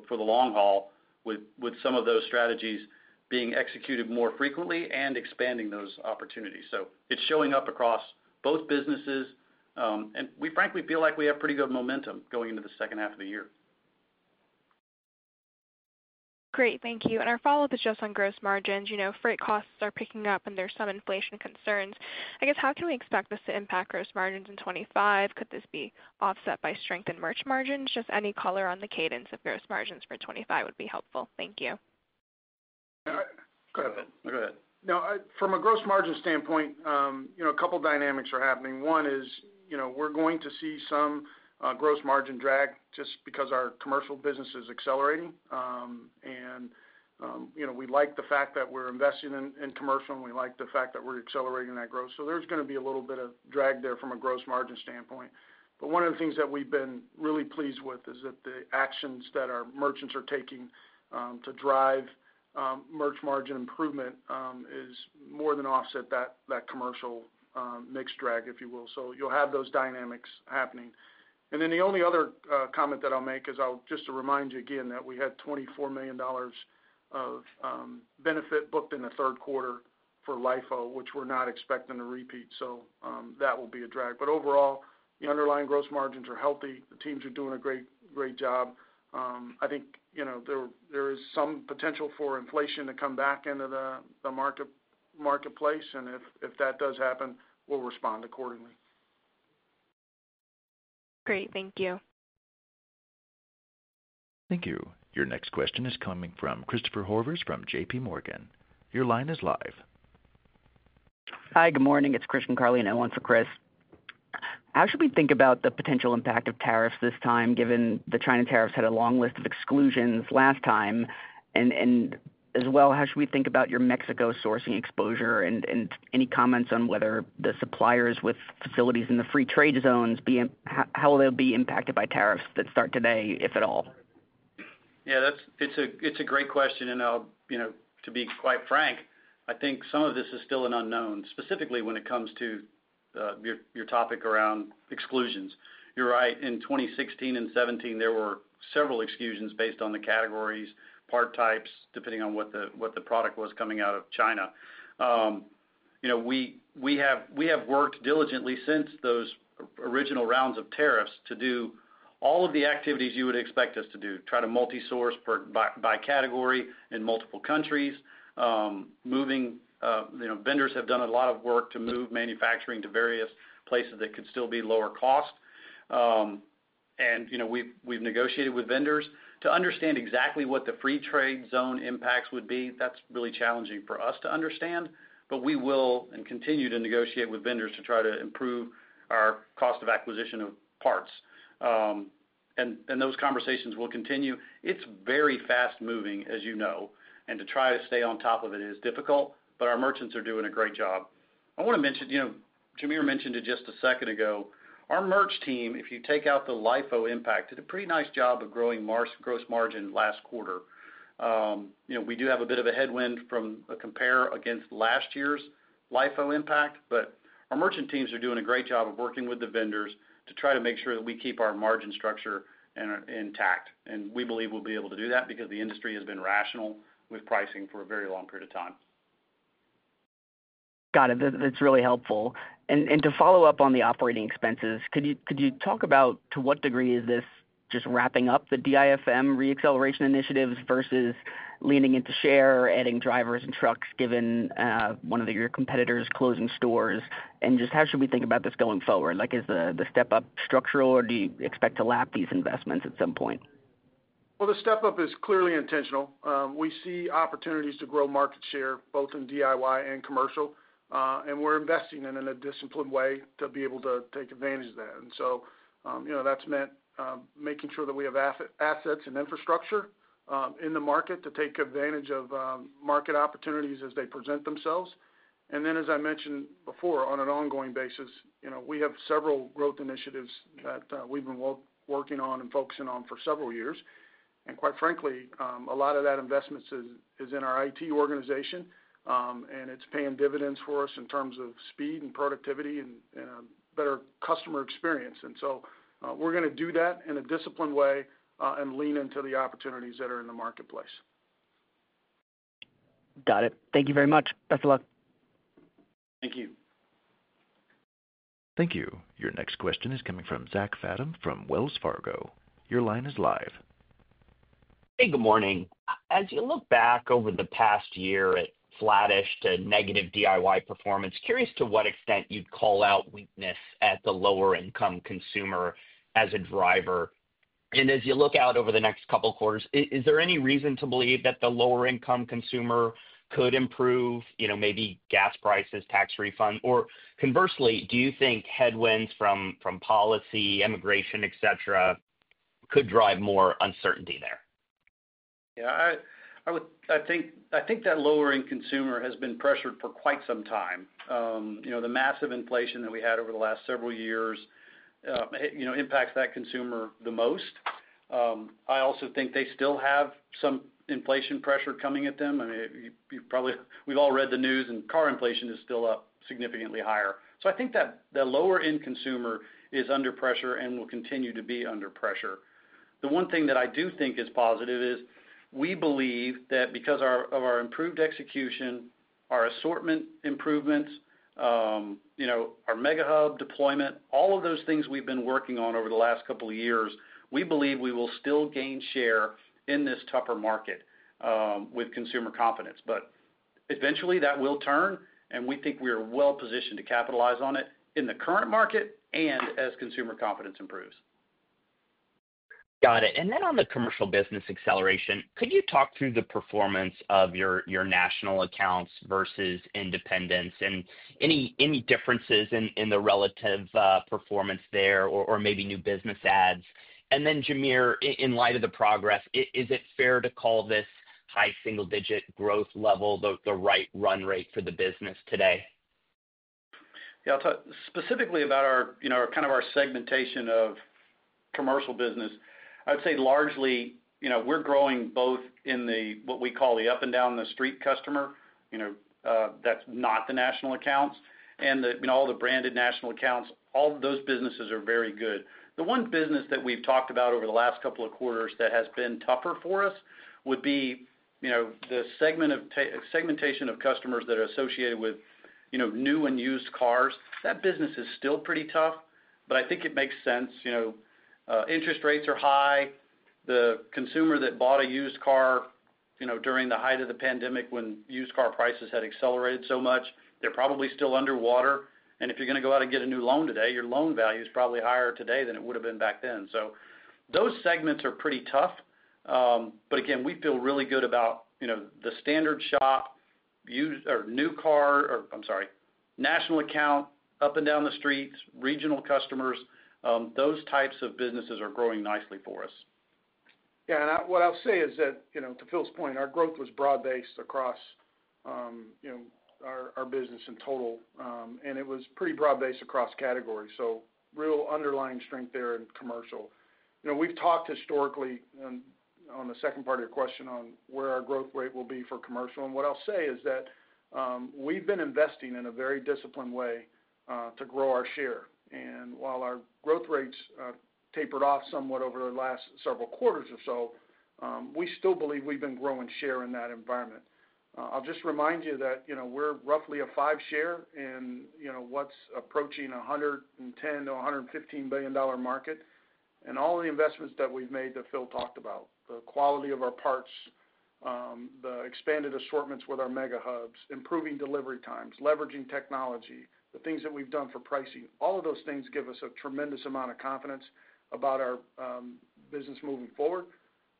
the long haul with some of those strategies being executed more frequently and expanding those opportunities. So it's showing up across both businesses. And we, frankly, feel like we have pretty good momentum going into the second half of the year. Great. Thank you. And our follow-up is just on gross margins. Freight costs are picking up, and there's some inflation concerns. I guess, how can we expect this to impact gross margins in 2025? Could this be offset by strength in merch margins? Just any color on the cadence of gross margins for 2025 would be helpful. Thank you. Go ahead. Go ahead. Now, from a gross margin standpoint, a couple of dynamics are happening. One is we're going to see some gross margin drag just because our commercial business is accelerating. And we like the fact that we're investing in commercial, and we like the fact that we're accelerating that growth. So there's going to be a little bit of drag there from a gross margin standpoint. But one of the things that we've been really pleased with is that the actions that our merchants are taking to drive merch margin improvement is more than offset that commercial mixed drag, if you will. So you'll have those dynamics happening. Then the only other comment that I'll make is just to remind you again that we had $24 million of benefit booked in the third quarter for LIFO, which we're not expecting a repeat. So that will be a drag. But overall, the underlying gross margins are healthy. The teams are doing a great job. I think there is some potential for inflation to come back into the marketplace. And if that does happen, we'll respond accordingly. Great. Thank you. Thank you. Your next question is coming from Christopher Horvers from JPMorgan. Your line is live. Hi, good morning. It's Christian Carlino, on for Chris. How should we think about the potential impact of tariffs this time, given the China tariffs had a long list of exclusions last time? And as well, how should we think about your Mexico sourcing exposure and any comments on whether the suppliers with facilities in the free trade zones, how will they be impacted by tariffs that start today, if at all? Yeah, it's a great question. And to be quite frank, I think some of this is still an unknown, specifically when it comes to your topic around exclusions. You're right. In 2016 and 2017, there were several exclusions based on the categories, part types, depending on what the product was coming out of China. We have worked diligently since those original rounds of tariffs to do all of the activities you would expect us to do, try to multi-source by category in multiple countries. Vendors have done a lot of work to move manufacturing to various places that could still be lower cost. We've negotiated with vendors to understand exactly what the free trade zone impacts would be. That's really challenging for us to understand. We will and continue to negotiate with vendors to try to improve our cost of acquisition of parts. Those conversations will continue. It's very fast-moving, as you know. To try to stay on top of it is difficult. Our merchants are doing a great job. I want to mention Jamere mentioned it just a second ago. Our merch team, if you take out the LIFO impact, did a pretty nice job of growing gross margin last quarter. We do have a bit of a headwind from a compare against last year's LIFO impact. Our merchant teams are doing a great job of working with the vendors to try to make sure that we keep our margin structure intact. We believe we'll be able to do that because the industry has been rational with pricing for a very long period of time. Got it. That's really helpful. To follow up on the operating expenses, could you talk about to what degree is this just wrapping up the DIFM re-acceleration initiatives versus leaning into share, adding drivers and trucks given one of your competitors closing stores? Just how should we think about this going forward? Is the step-up structural, or do you expect to lap these investments at some point? The step-up is clearly intentional. We see opportunities to grow market share, both in DIY and commercial. We're investing in a disciplined way to be able to take advantage of that. And so that's meant making sure that we have assets and infrastructure in the market to take advantage of market opportunities as they present themselves. And then, as I mentioned before, on an ongoing basis, we have several growth initiatives that we've been working on and focusing on for several years. And quite frankly, a lot of that investment is in our IT organization. And it's paying dividends for us in terms of speed and productivity and a better customer experience. And so we're going to do that in a disciplined way and lean into the opportunities that are in the marketplace. Got it. Thank you very much. Best of luck. Thank you. Thank you. Your next question is coming from Zach Fadem from Wells Fargo. Your line is live. Hey, good morning. As you look back over the past year at flattish to negative DIY performance, curious to what extent you'd call out weakness at the lower-income consumer as a driver. And as you look out over the next couple of quarters, is there any reason to believe that the lower-income consumer could improve, maybe gas prices, tax refund? Or conversely, do you think headwinds from policy, immigration, etc., could drive more uncertainty there? Yeah, I think that lower-income consumer has been pressured for quite some time. The massive inflation that we had over the last several years impacts that consumer the most. I also think they still have some inflation pressure coming at them. I mean, we've all read the news, and car inflation is still up significantly higher. So I think that the lower-end consumer is under pressure and will continue to be under pressure. The one thing that I do think is positive is we believe that because of our improved execution, our assortment improvements, our Mega Hub deployment, all of those things we've been working on over the last couple of years, we believe we will still gain share in this tougher market with consumer confidence. But eventually, that will turn, and we think we are well-positioned to capitalize on it in the current market and as consumer confidence improves. Got it, and then on the commercial business acceleration, could you talk through the performance of your national accounts versus independents and any differences in the relative performance there or maybe new business adds? And then, Jamere, in light of the progress, is it fair to call this high single-digit growth level the right run rate for the business today? Yeah, specifically about kind of our segmentation of commercial business, I'd say largely we're growing both in what we call the up and down the street customer. That's not the national accounts. And all the branded national accounts, all those businesses are very good. The one business that we've talked about over the last couple of quarters that has been tougher for us would be the segmentation of customers that are associated with new and used cars. That business is still pretty tough. But I think it makes sense. Interest rates are high. The consumer that bought a used car during the height of the pandemic when used car prices had accelerated so much, they're probably still underwater. And if you're going to go out and get a new loan today, your loan value is probably higher today than it would have been back then. So those segments are pretty tough. But again, we feel really good about the standard shop, new car, or I'm sorry, national account, up and down the streets, regional customers. Those types of businesses are growing nicely for us. Yeah, and what I'll say is that to Phil's point, our growth was broad-based across our business in total. And it was pretty broad-based across categories. So real underlying strength there in commercial. We've talked historically on the second part of your question on where our growth rate will be for commercial. And what I'll say is that we've been investing in a very disciplined way to grow our share. And while our growth rates tapered off somewhat over the last several quarters or so, we still believe we've been growing share in that environment. I'll just remind you that we're roughly a 5% share in what's approaching a $110-$115 billion market. And all the investments that we've made that Phil talked about, the quality of our parts, the expanded assortments with Mega Hubs, improving delivery times, leveraging technology, the things that we've done for pricing, all of those things give us a tremendous amount of confidence about our business moving forward.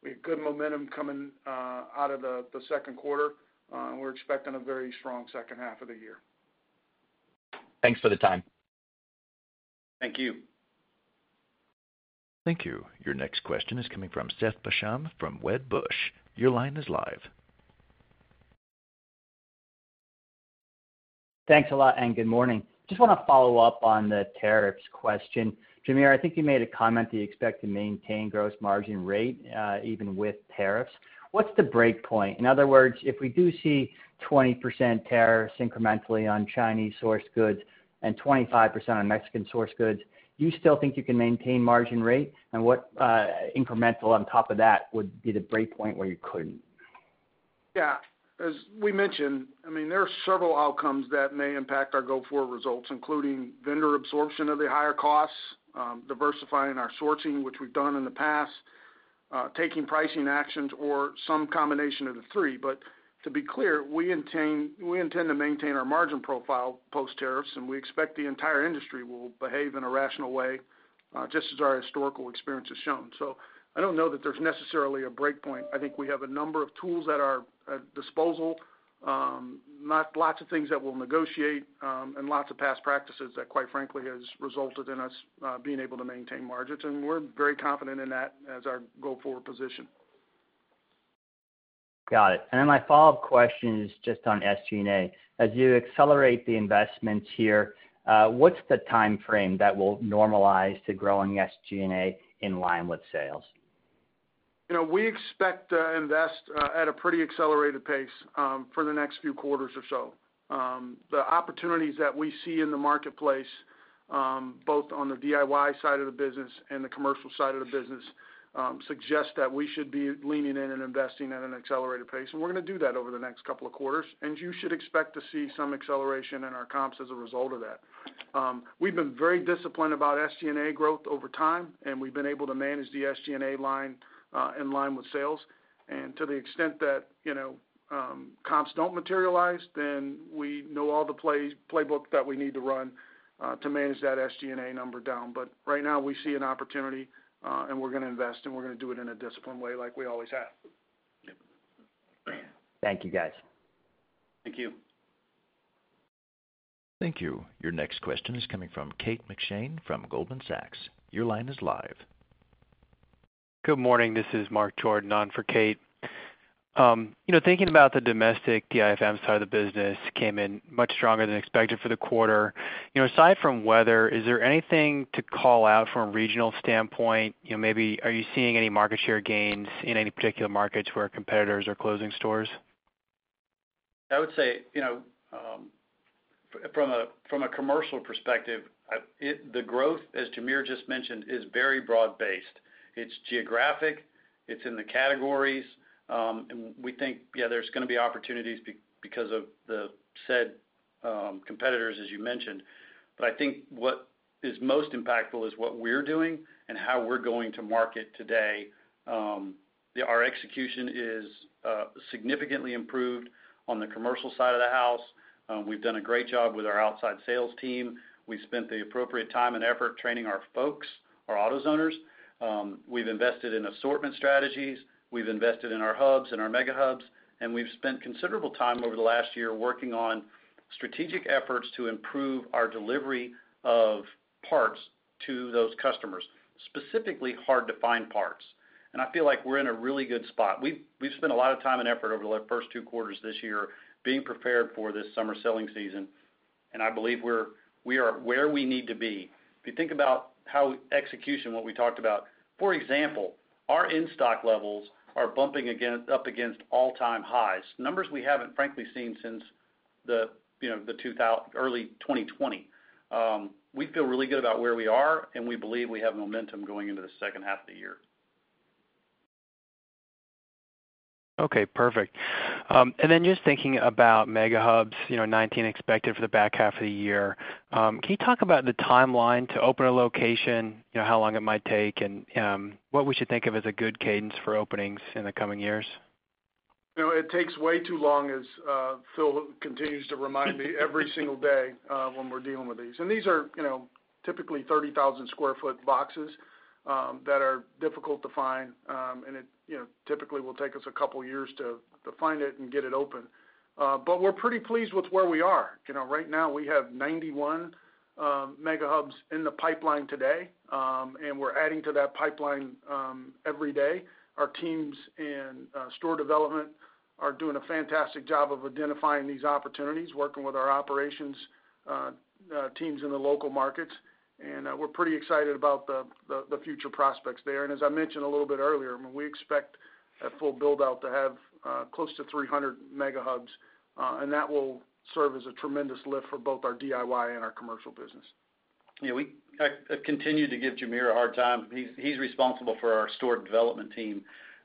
We have good momentum coming out of the second quarter. We're expecting a very strong second half of the year. Thanks for the time. Thank you. Thank you. Your next question is coming from Seth Basham from Wedbush. Your line is live. Thanks a lot. And good morning. Just want to follow up on the tariffs question. Jamere, I think you made a comment that you expect to maintain gross margin rate even with tariffs. What's the breakpoint? In other words, if we do see 20% tariffs incrementally on Chinese-sourced goods and 25% on Mexican-sourced goods, do you still think you can maintain margin rate? And what incremental on top of that would be the breakpoint where you couldn't? Yeah. As we mentioned, I mean, there are several outcomes that may impact our go-forward results, including vendor absorption of the higher costs, diversifying our sourcing, which we've done in the past, taking pricing actions, or some combination of the three. But to be clear, we intend to maintain our margin profile post-tariffs. And we expect the entire industry will behave in a rational way, just as our historical experience has shown. So I don't know that there's necessarily a breakpoint. I think we have a number of tools at our disposal, lots of things that we'll negotiate, and lots of past practices that, quite frankly, have resulted in us being able to maintain margins, and we're very confident in that as our go-forward position. Got it, and then my follow-up question is just on SG&A. As you accelerate the investments here, what's the time frame that will normalize to growing SG&A in line with sales? We expect to invest at a pretty accelerated pace for the next few quarters or so. The opportunities that we see in the marketplace, both on the DIY side of the business and the commercial side of the business, suggest that we should be leaning in and investing at an accelerated pace, and we're going to do that over the next couple of quarters. And you should expect to see some acceleration in our comps as a result of that. We've been very disciplined about SG&A growth over time. And we've been able to manage the SG&A line in line with sales. And to the extent that comps don't materialize, then we know all the playbook that we need to run to manage that SG&A number down. But right now, we see an opportunity. And we're going to invest. And we're going to do it in a disciplined way like we always have. Thank you, guys. Thank you. Thank you. Your next question is coming from Kate McShane from Goldman Sachs. Your line is live. Good morning. This is Mark Jordan, in for Kate. Thinking about the domestic DIFM side of the business, it came in much stronger than expected for the quarter. Aside from weather, is there anything to call out from a regional standpoint? Maybe are you seeing any market share gains in any particular markets where competitors are closing stores? I would say from a commercial perspective, the growth, as Jamere just mentioned, is very broad-based. It's geographic. It's in the categories. And we think, yeah, there's going to be opportunities because of the said competitors, as you mentioned. But I think what is most impactful is what we're doing and how we're going to market today. Our execution is significantly improved on the commercial side of the house. We've done a great job with our outside sales team. We've spent the appropriate time and effort training our folks, our AutoZoners. We've invested in assortment strategies. We've invested in our Hubs and our Mega Hubs. We've spent considerable time over the last year working on strategic efforts to improve our delivery of parts to those customers, specifically hard-to-find parts. I feel like we're in a really good spot. We've spent a lot of time and effort over the first two quarters this year being prepared for this summer selling season. I believe we are where we need to be. If you think about how execution, what we talked about, for example, our in-stock levels are bumping up against all-time highs, numbers we haven't, frankly, seen since the early 2020s. We feel really good about where we are. We believe we have momentum going into the second half of the year. Okay. Perfect. Just thinking Mega Hubs, 19 expected for the back half of the year. Can you talk about the timeline to open a location, how long it might take, and what we should think of as a good cadence for openings in the coming years? It takes way too long, as Phil continues to remind me every single day when we're dealing with these, and these are typically 30,000 sq ft boxes that are difficult to find, and it typically will take us a couple of years to find it and get it open, but we're pretty pleased with where we are. Right now, we have Mega Hubs in the pipeline today, and we're adding to that pipeline every day. Our teams in store development are doing a fantastic job of identifying these opportunities, working with our operations teams in the local markets, and we're pretty excited about the future prospects there. And as I mentioned a little bit earlier, we expect at full build-out to have close to Mega Hubs. And that will serve as a tremendous lift for both our DIY and our commercial business. Yeah. We continue to give Jamere a hard time. He's responsible for our store development team.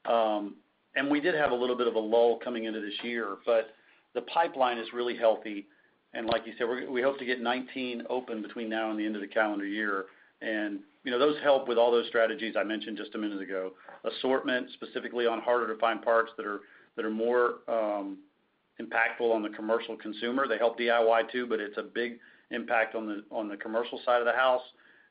And we did have a little bit of a lull coming into this year. But the pipeline is really healthy. And like you said, we hope to get 19 open between now and the end of the calendar year. And those help with all those strategies I mentioned just a minute ago, assortment, specifically on harder-to-find parts that are more impactful on the commercial consumer. They help DIY too, but it's a big impact on the commercial side of the house.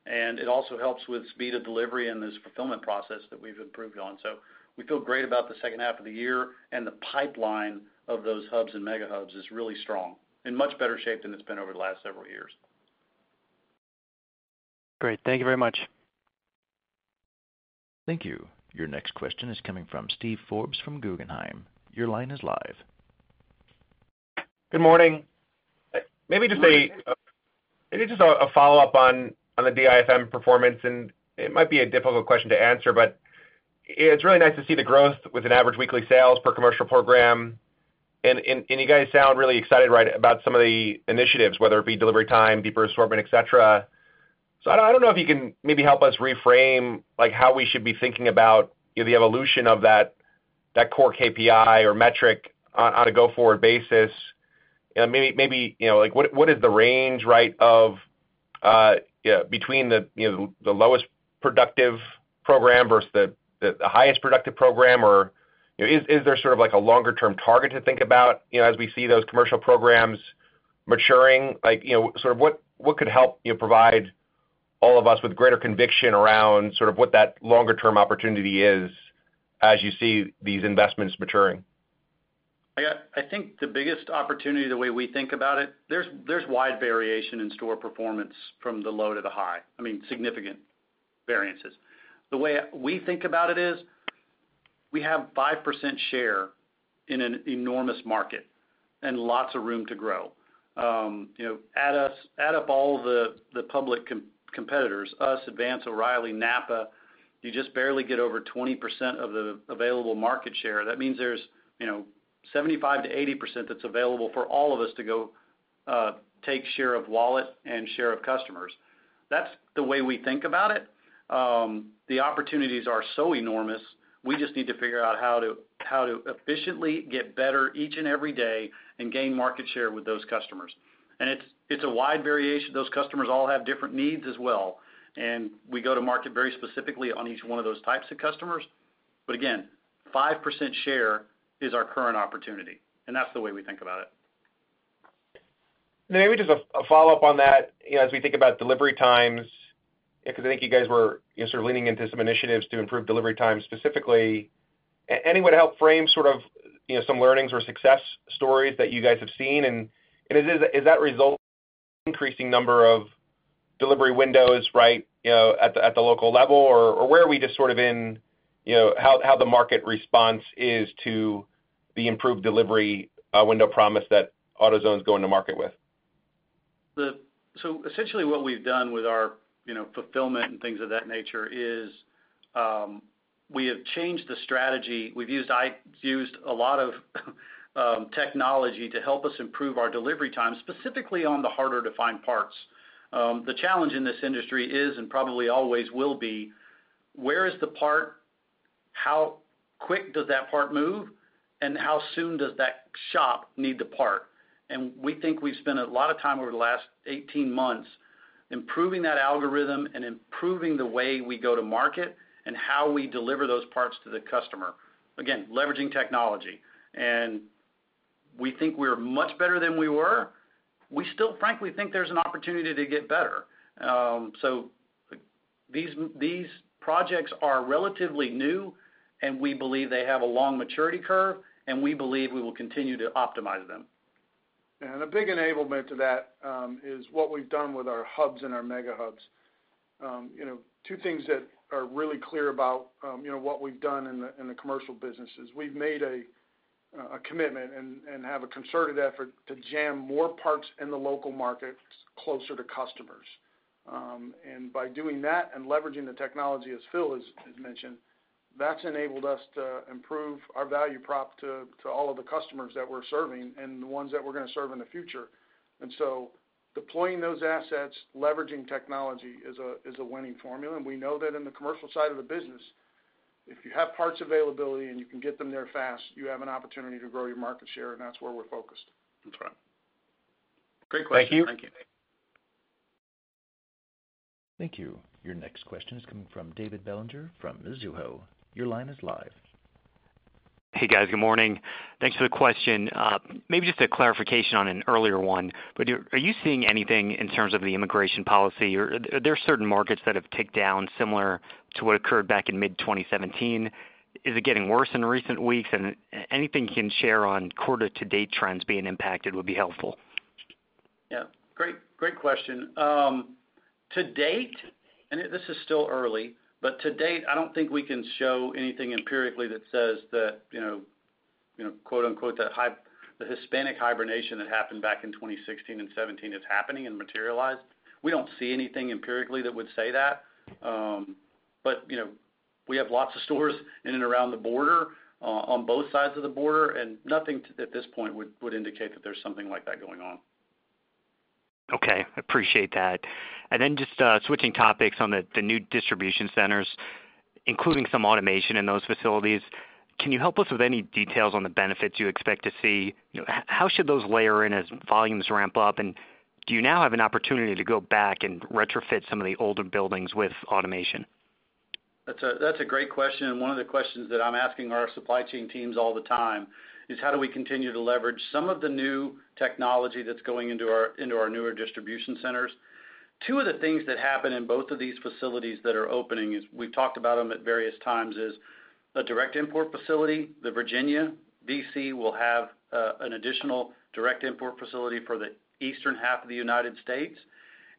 And it also helps with speed of delivery and this fulfillment process that we've improved on. So we feel great about the second half of the year. And the pipeline of those Hubs and MegaHubs is really strong and much better shaped than it's been over the last several years. Great. Thank you very much. Thank you. Your next question is coming from Steve Forbes from Guggenheim. Your line is live. Good morning. Maybe just a follow-up on the DIFM performance. And it might be a difficult question to answer, but it's really nice to see the growth with an average weekly sales per commercial program. And you guys sound really excited about some of the initiatives, whether it be delivery time, deeper assortment, etc. So I don't know if you can maybe help us reframe how we should be thinking about the evolution of that core KPI or metric on a go-forward basis. Maybe what is the range between the lowest productive program versus the highest productive program? Or is there sort of a longer-term target to think about as we see those commercial programs maturing? Sort of what could help provide all of us with greater conviction around sort of what that longer-term opportunity is as you see these investments maturing? I think the biggest opportunity, the way we think about it, there's wide variation in store performance from the low to the high. I mean, significant variances. The way we think about it is we have 5% share in an enormous market and lots of room to grow. Add up all the public competitors: us, Advance, O'Reilly, NAPA. You just barely get over 20% of the available market share. That means there's 75%-80% that's available for all of us to go take share of wallet and share of customers. That's the way we think about it. The opportunities are so enormous. We just need to figure out how to efficiently get better each and every day and gain market share with those customers. And it's a wide variation. Those customers all have different needs as well. And we go to market very specifically on each one of those types of customers. But again, 5% share is our current opportunity. And that's the way we think about it. And maybe just a follow-up on that as we think about delivery times, because I think you guys were sort of leaning into some initiatives to improve delivery time specifically. Any way to help frame sort of some learnings or success stories that you guys have seen? Is that a result of the increasing number of delivery windows, right, at the local level? Or where are we just sort of in how the market response is to the improved delivery window promise that AutoZone's goes to market with? Essentially, what we've done with our fulfillment and things of that nature is we have changed the strategy. We've used a lot of technology to help us improve our delivery time, specifically on the harder-to-find parts. The challenge in this industry is, and probably always will be, where is the part? How quick does that part move? And how soon does that shop need the part? And we think we've spent a lot of time over the last 18 months improving that algorithm and improving the way we go to market and how we deliver those parts to the customer, again, leveraging technology. And we think we're much better than we were. We still, frankly, think there's an opportunity to get better. So these projects are relatively new. And we believe they have a long maturity curve. And we believe we will continue to optimize them. And a big enablement to that is what we've done with our Hubs and MegaHubs. Two things that are really clear about what we've done in the commercial business is we've made a commitment and have a concerted effort to jam more parts in the local markets closer to customers. And by doing that and leveraging the technology, as Phil has mentioned, that's enabled us to improve our value prop to all of the customers that we're serving and the ones that we're going to serve in the future. And so deploying those assets, leveraging technology is a winning formula. We know that in the commercial side of the business, if you have parts availability and you can get them there fast, you have an opportunity to grow your market share. And that's where we're focused. That's right. Great question. Thank you. Thank you. Thank you. Your next question is coming from David Bellinger from Mizuho. Your line is live. Hey, guys. Good morning. Thanks for the question. Maybe just a clarification on an earlier one. But are you seeing anything in terms of the immigration policy? Are there certain markets that have ticked down similar to what occurred back in mid-2017? Is it getting worse in recent weeks? And anything you can share on quarter-to-date trends being impacted would be helpful. Yeah. Great question. To date, and this is still early, but to date, I don't think we can show anything empirically that says that, quote-unquote, "the Hispanic hibernation that happened back in 2016 and 2017 is happening and materialized." We don't see anything empirically that would say that. But we have lots of stores in and around the border, on both sides of the border. And nothing at this point would indicate that there's something like that going on. Okay. I appreciate that. And then just switching topics on the new distribution centers, including some automation in those facilities, can you help us with any details on the benefits you expect to see? How should those layer in as volumes ramp up? And do you now have an opportunity to go back and retrofit some of the older buildings with automation? That's a great question. One of the questions that I'm asking our supply chain teams all the time is how do we continue to leverage some of the new technology that's going into our newer distribution centers? Two of the things that happen in both of these facilities that are opening, as we've talked about them at various times, is a direct import facility. The Virginia DC will have an additional direct import facility for the eastern half of the United States.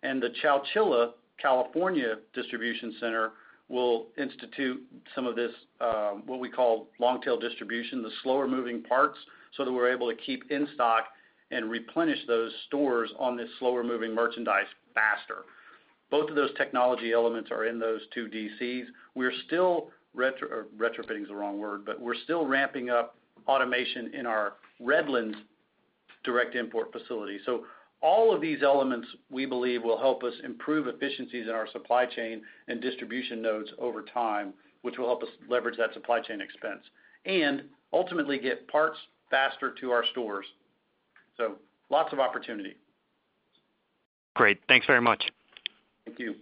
The Chowchilla, California distribution center will institute some of this, what we call long-tail distribution, the slower-moving parts, so that we're able to keep in stock and replenish those stores on this slower-moving merchandise faster. Both of those technology elements are in those two DCs. We're still, retrofitting is the wrong word, but we're still ramping up automation in our Redlands direct import facility. So all of these elements, we believe, will help us improve efficiencies in our supply chain and distribution nodes over time, which will help us leverage that supply chain expense and ultimately get parts faster to our stores. So lots of opportunity. Great. Thanks very much. Thank you.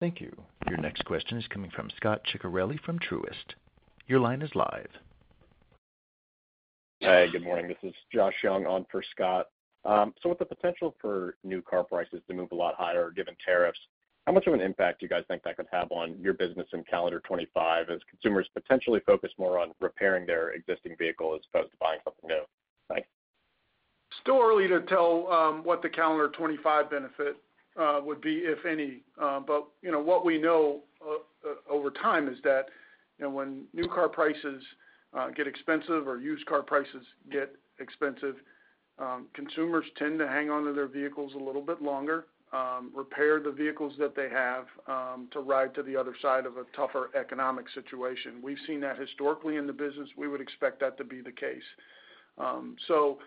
Thank you. Your next question is coming from Scot Ciccarelli from Truist. Your line is live. Hi. Good morning. This is Josh Young on for Scot. So with the potential for new car prices to move a lot higher given tariffs, how much of an impact do you guys think that could have on your business in calendar 2025 as consumers potentially focus more on repairing their existing vehicle as opposed to buying something new? Thanks. Still early to tell what the calendar 2025 benefit would be, if any. But what we know over time is that when new car prices get expensive or used car prices get expensive, consumers tend to hang on to their vehicles a little bit longer, repair the vehicles that they have to ride to the other side of a tougher economic situation. We've seen that historically in the business. We would expect that to be the case. So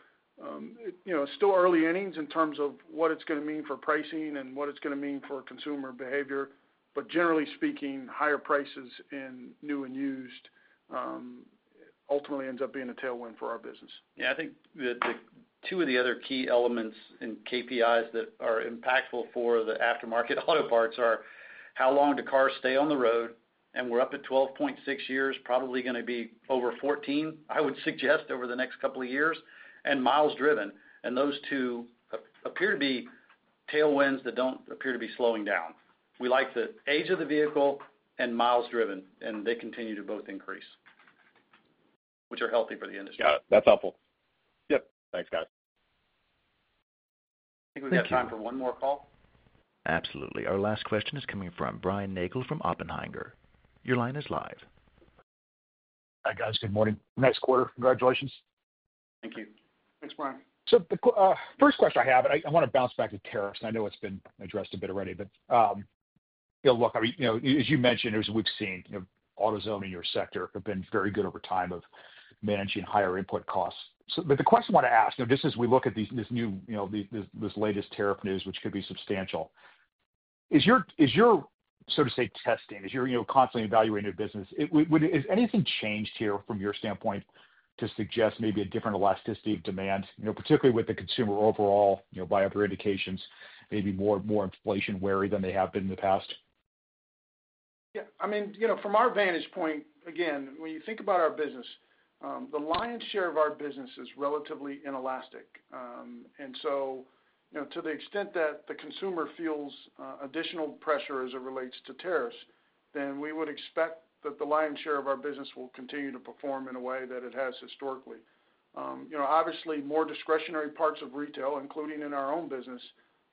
still early innings in terms of what it's going to mean for pricing and what it's going to mean for consumer behavior. But generally speaking, higher prices in new and used ultimately ends up being a tailwind for our business. Yeah. I think two of the other key elements and KPIs that are impactful for the aftermarket auto parts are how long do cars stay on the road? And we're up at 12.6 years, probably going to be over 14, I would suggest, over the next couple of years, and miles driven. And those two appear to be tailwinds that don't appear to be slowing down. We like the age of the vehicle and miles driven. And they continue to both increase, which are healthy for the industry. Yeah. That's helpful. Yep. Thanks, guys. I think we've got time for one more call. Absolutely. Our last question is coming from Brian Nagel from Oppenheimer. Your line is live. Hi, guys. Good morning. Nice quarter. Congratulations. Thank you. Thanks, Brian. So the first question I have, and I want to bounce back to tariffs. And I know it's been addressed a bit already. But look, as you mentioned, as we've seen, AutoZone in your sector have been very good over time of managing higher input costs. But the question I want to ask, just as we look at this new, this latest tariff news, which could be substantial, is your, so to say, testing, is your constantly evaluating your business, has anything changed here from your standpoint to suggest maybe a different elasticity of demand, particularly with the consumer overall buyer predictions, maybe more inflation wary than they have been in the past? Yeah. I mean, from our vantage point, again, when you think about our business, the lion's share of our business is relatively inelastic. And so to the extent that the consumer feels additional pressure as it relates to tariffs, then we would expect that the lion's share of our business will continue to perform in a way that it has historically. Obviously, more discretionary parts of retail, including in our own business,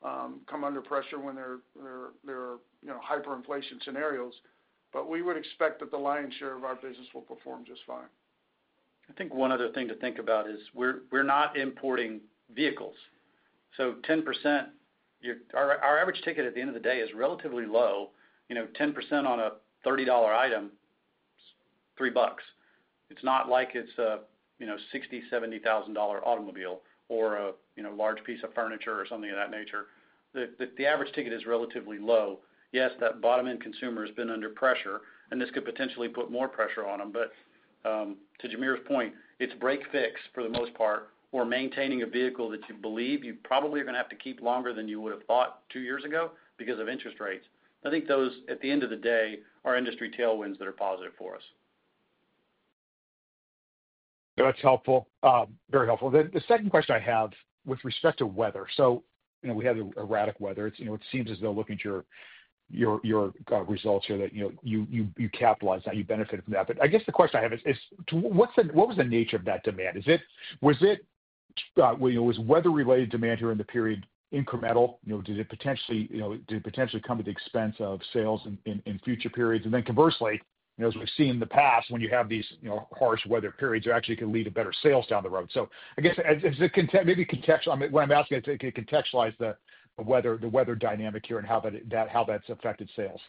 come under pressure when there are hyperinflation scenarios. But we would expect that the lion's share of our business will perform just fine. I think one other thing to think about is we're not importing vehicles. So 10%, our average ticket at the end of the day is relatively low. 10% on a $30 item, 3 bucks. It's not like it's a $60,000-$70,000 automobile or a large piece of furniture or something of that nature. The average ticket is relatively low. Yes, that bottom-end consumer has been under pressure. And this could potentially put more pressure on them. But to Jamere's point, it's break-fix for the most part or maintaining a vehicle that you believe you probably are going to have to keep longer than you would have thought two years ago because of interest rates. I think those, at the end of the day, are industry tailwinds that are positive for us. That's helpful. Very helpful. The second question I have with respect to weather. So we had erratic weather. It seems as though looking at your results here that you capitalized on it. You benefited from that. But I guess the question I have is, what was the nature of that demand? Was weather-related demand here in the period incremental? Did it potentially come at the expense of sales in future periods? And then conversely, as we've seen in the past, when you have these harsh weather periods, it actually could lead to better sales down the road. So I guess maybe what I'm asking is to contextualize the weather dynamic here and how that's affected sales.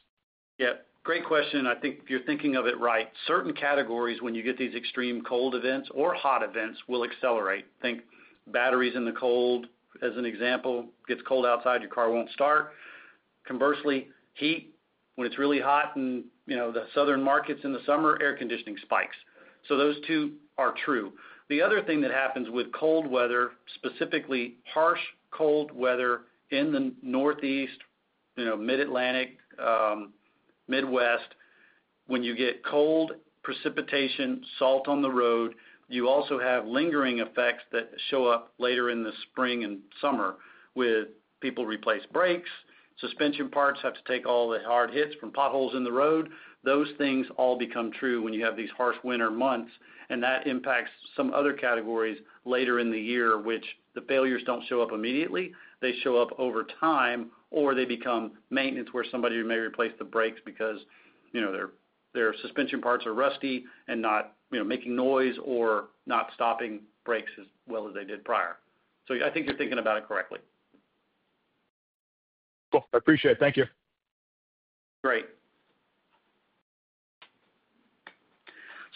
Yeah. Great question. I think if you're thinking of it right, certain categories, when you get these extreme cold events or hot events, will accelerate. Think batteries in the cold, as an example. It gets cold outside. Your car won't start. Conversely, heat, when it's really hot in the southern markets in the summer, air conditioning spikes, so those two are true. The other thing that happens with cold weather, specifically harsh cold weather in the northeast, mid-Atlantic, midwest, when you get cold, precipitation, salt on the road, you also have lingering effects that show up later in the spring and summer with people replace brakes. Suspension parts have to take all the hard hits from potholes in the road. Those things all become true when you have these harsh winter months, and that impacts some other categories later in the year, which the failures don't show up immediately. They show up over time, or they become maintenance where somebody may replace the brakes because their suspension parts are rusty and not making noise or not stopping brakes as well as they did prior. So I think you're thinking about it correctly. Cool. I appreciate it. Thank you. Great.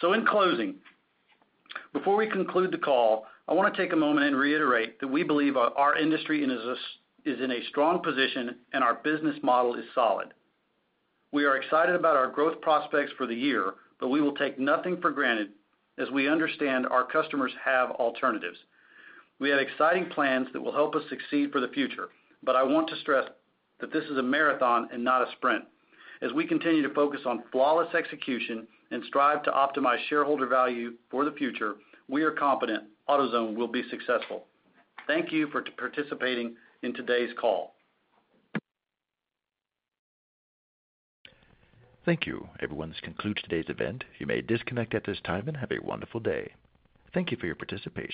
So in closing, before we conclude the call, I want to take a moment and reiterate that we believe our industry is in a strong position and our business model is solid. We are excited about our growth prospects for the year, but we will take nothing for granted as we understand our customers have alternatives. We have exciting plans that will help us succeed for the future. But I want to stress that this is a marathon and not a sprint. As we continue to focus on flawless execution and strive to optimize shareholder value for the future, we are confident AutoZone will be successful. Thank you for participating in today's call. Thank you. Everyone, this concludes today's event. You may disconnect at this time and have a wonderful day. Thank you for your participation.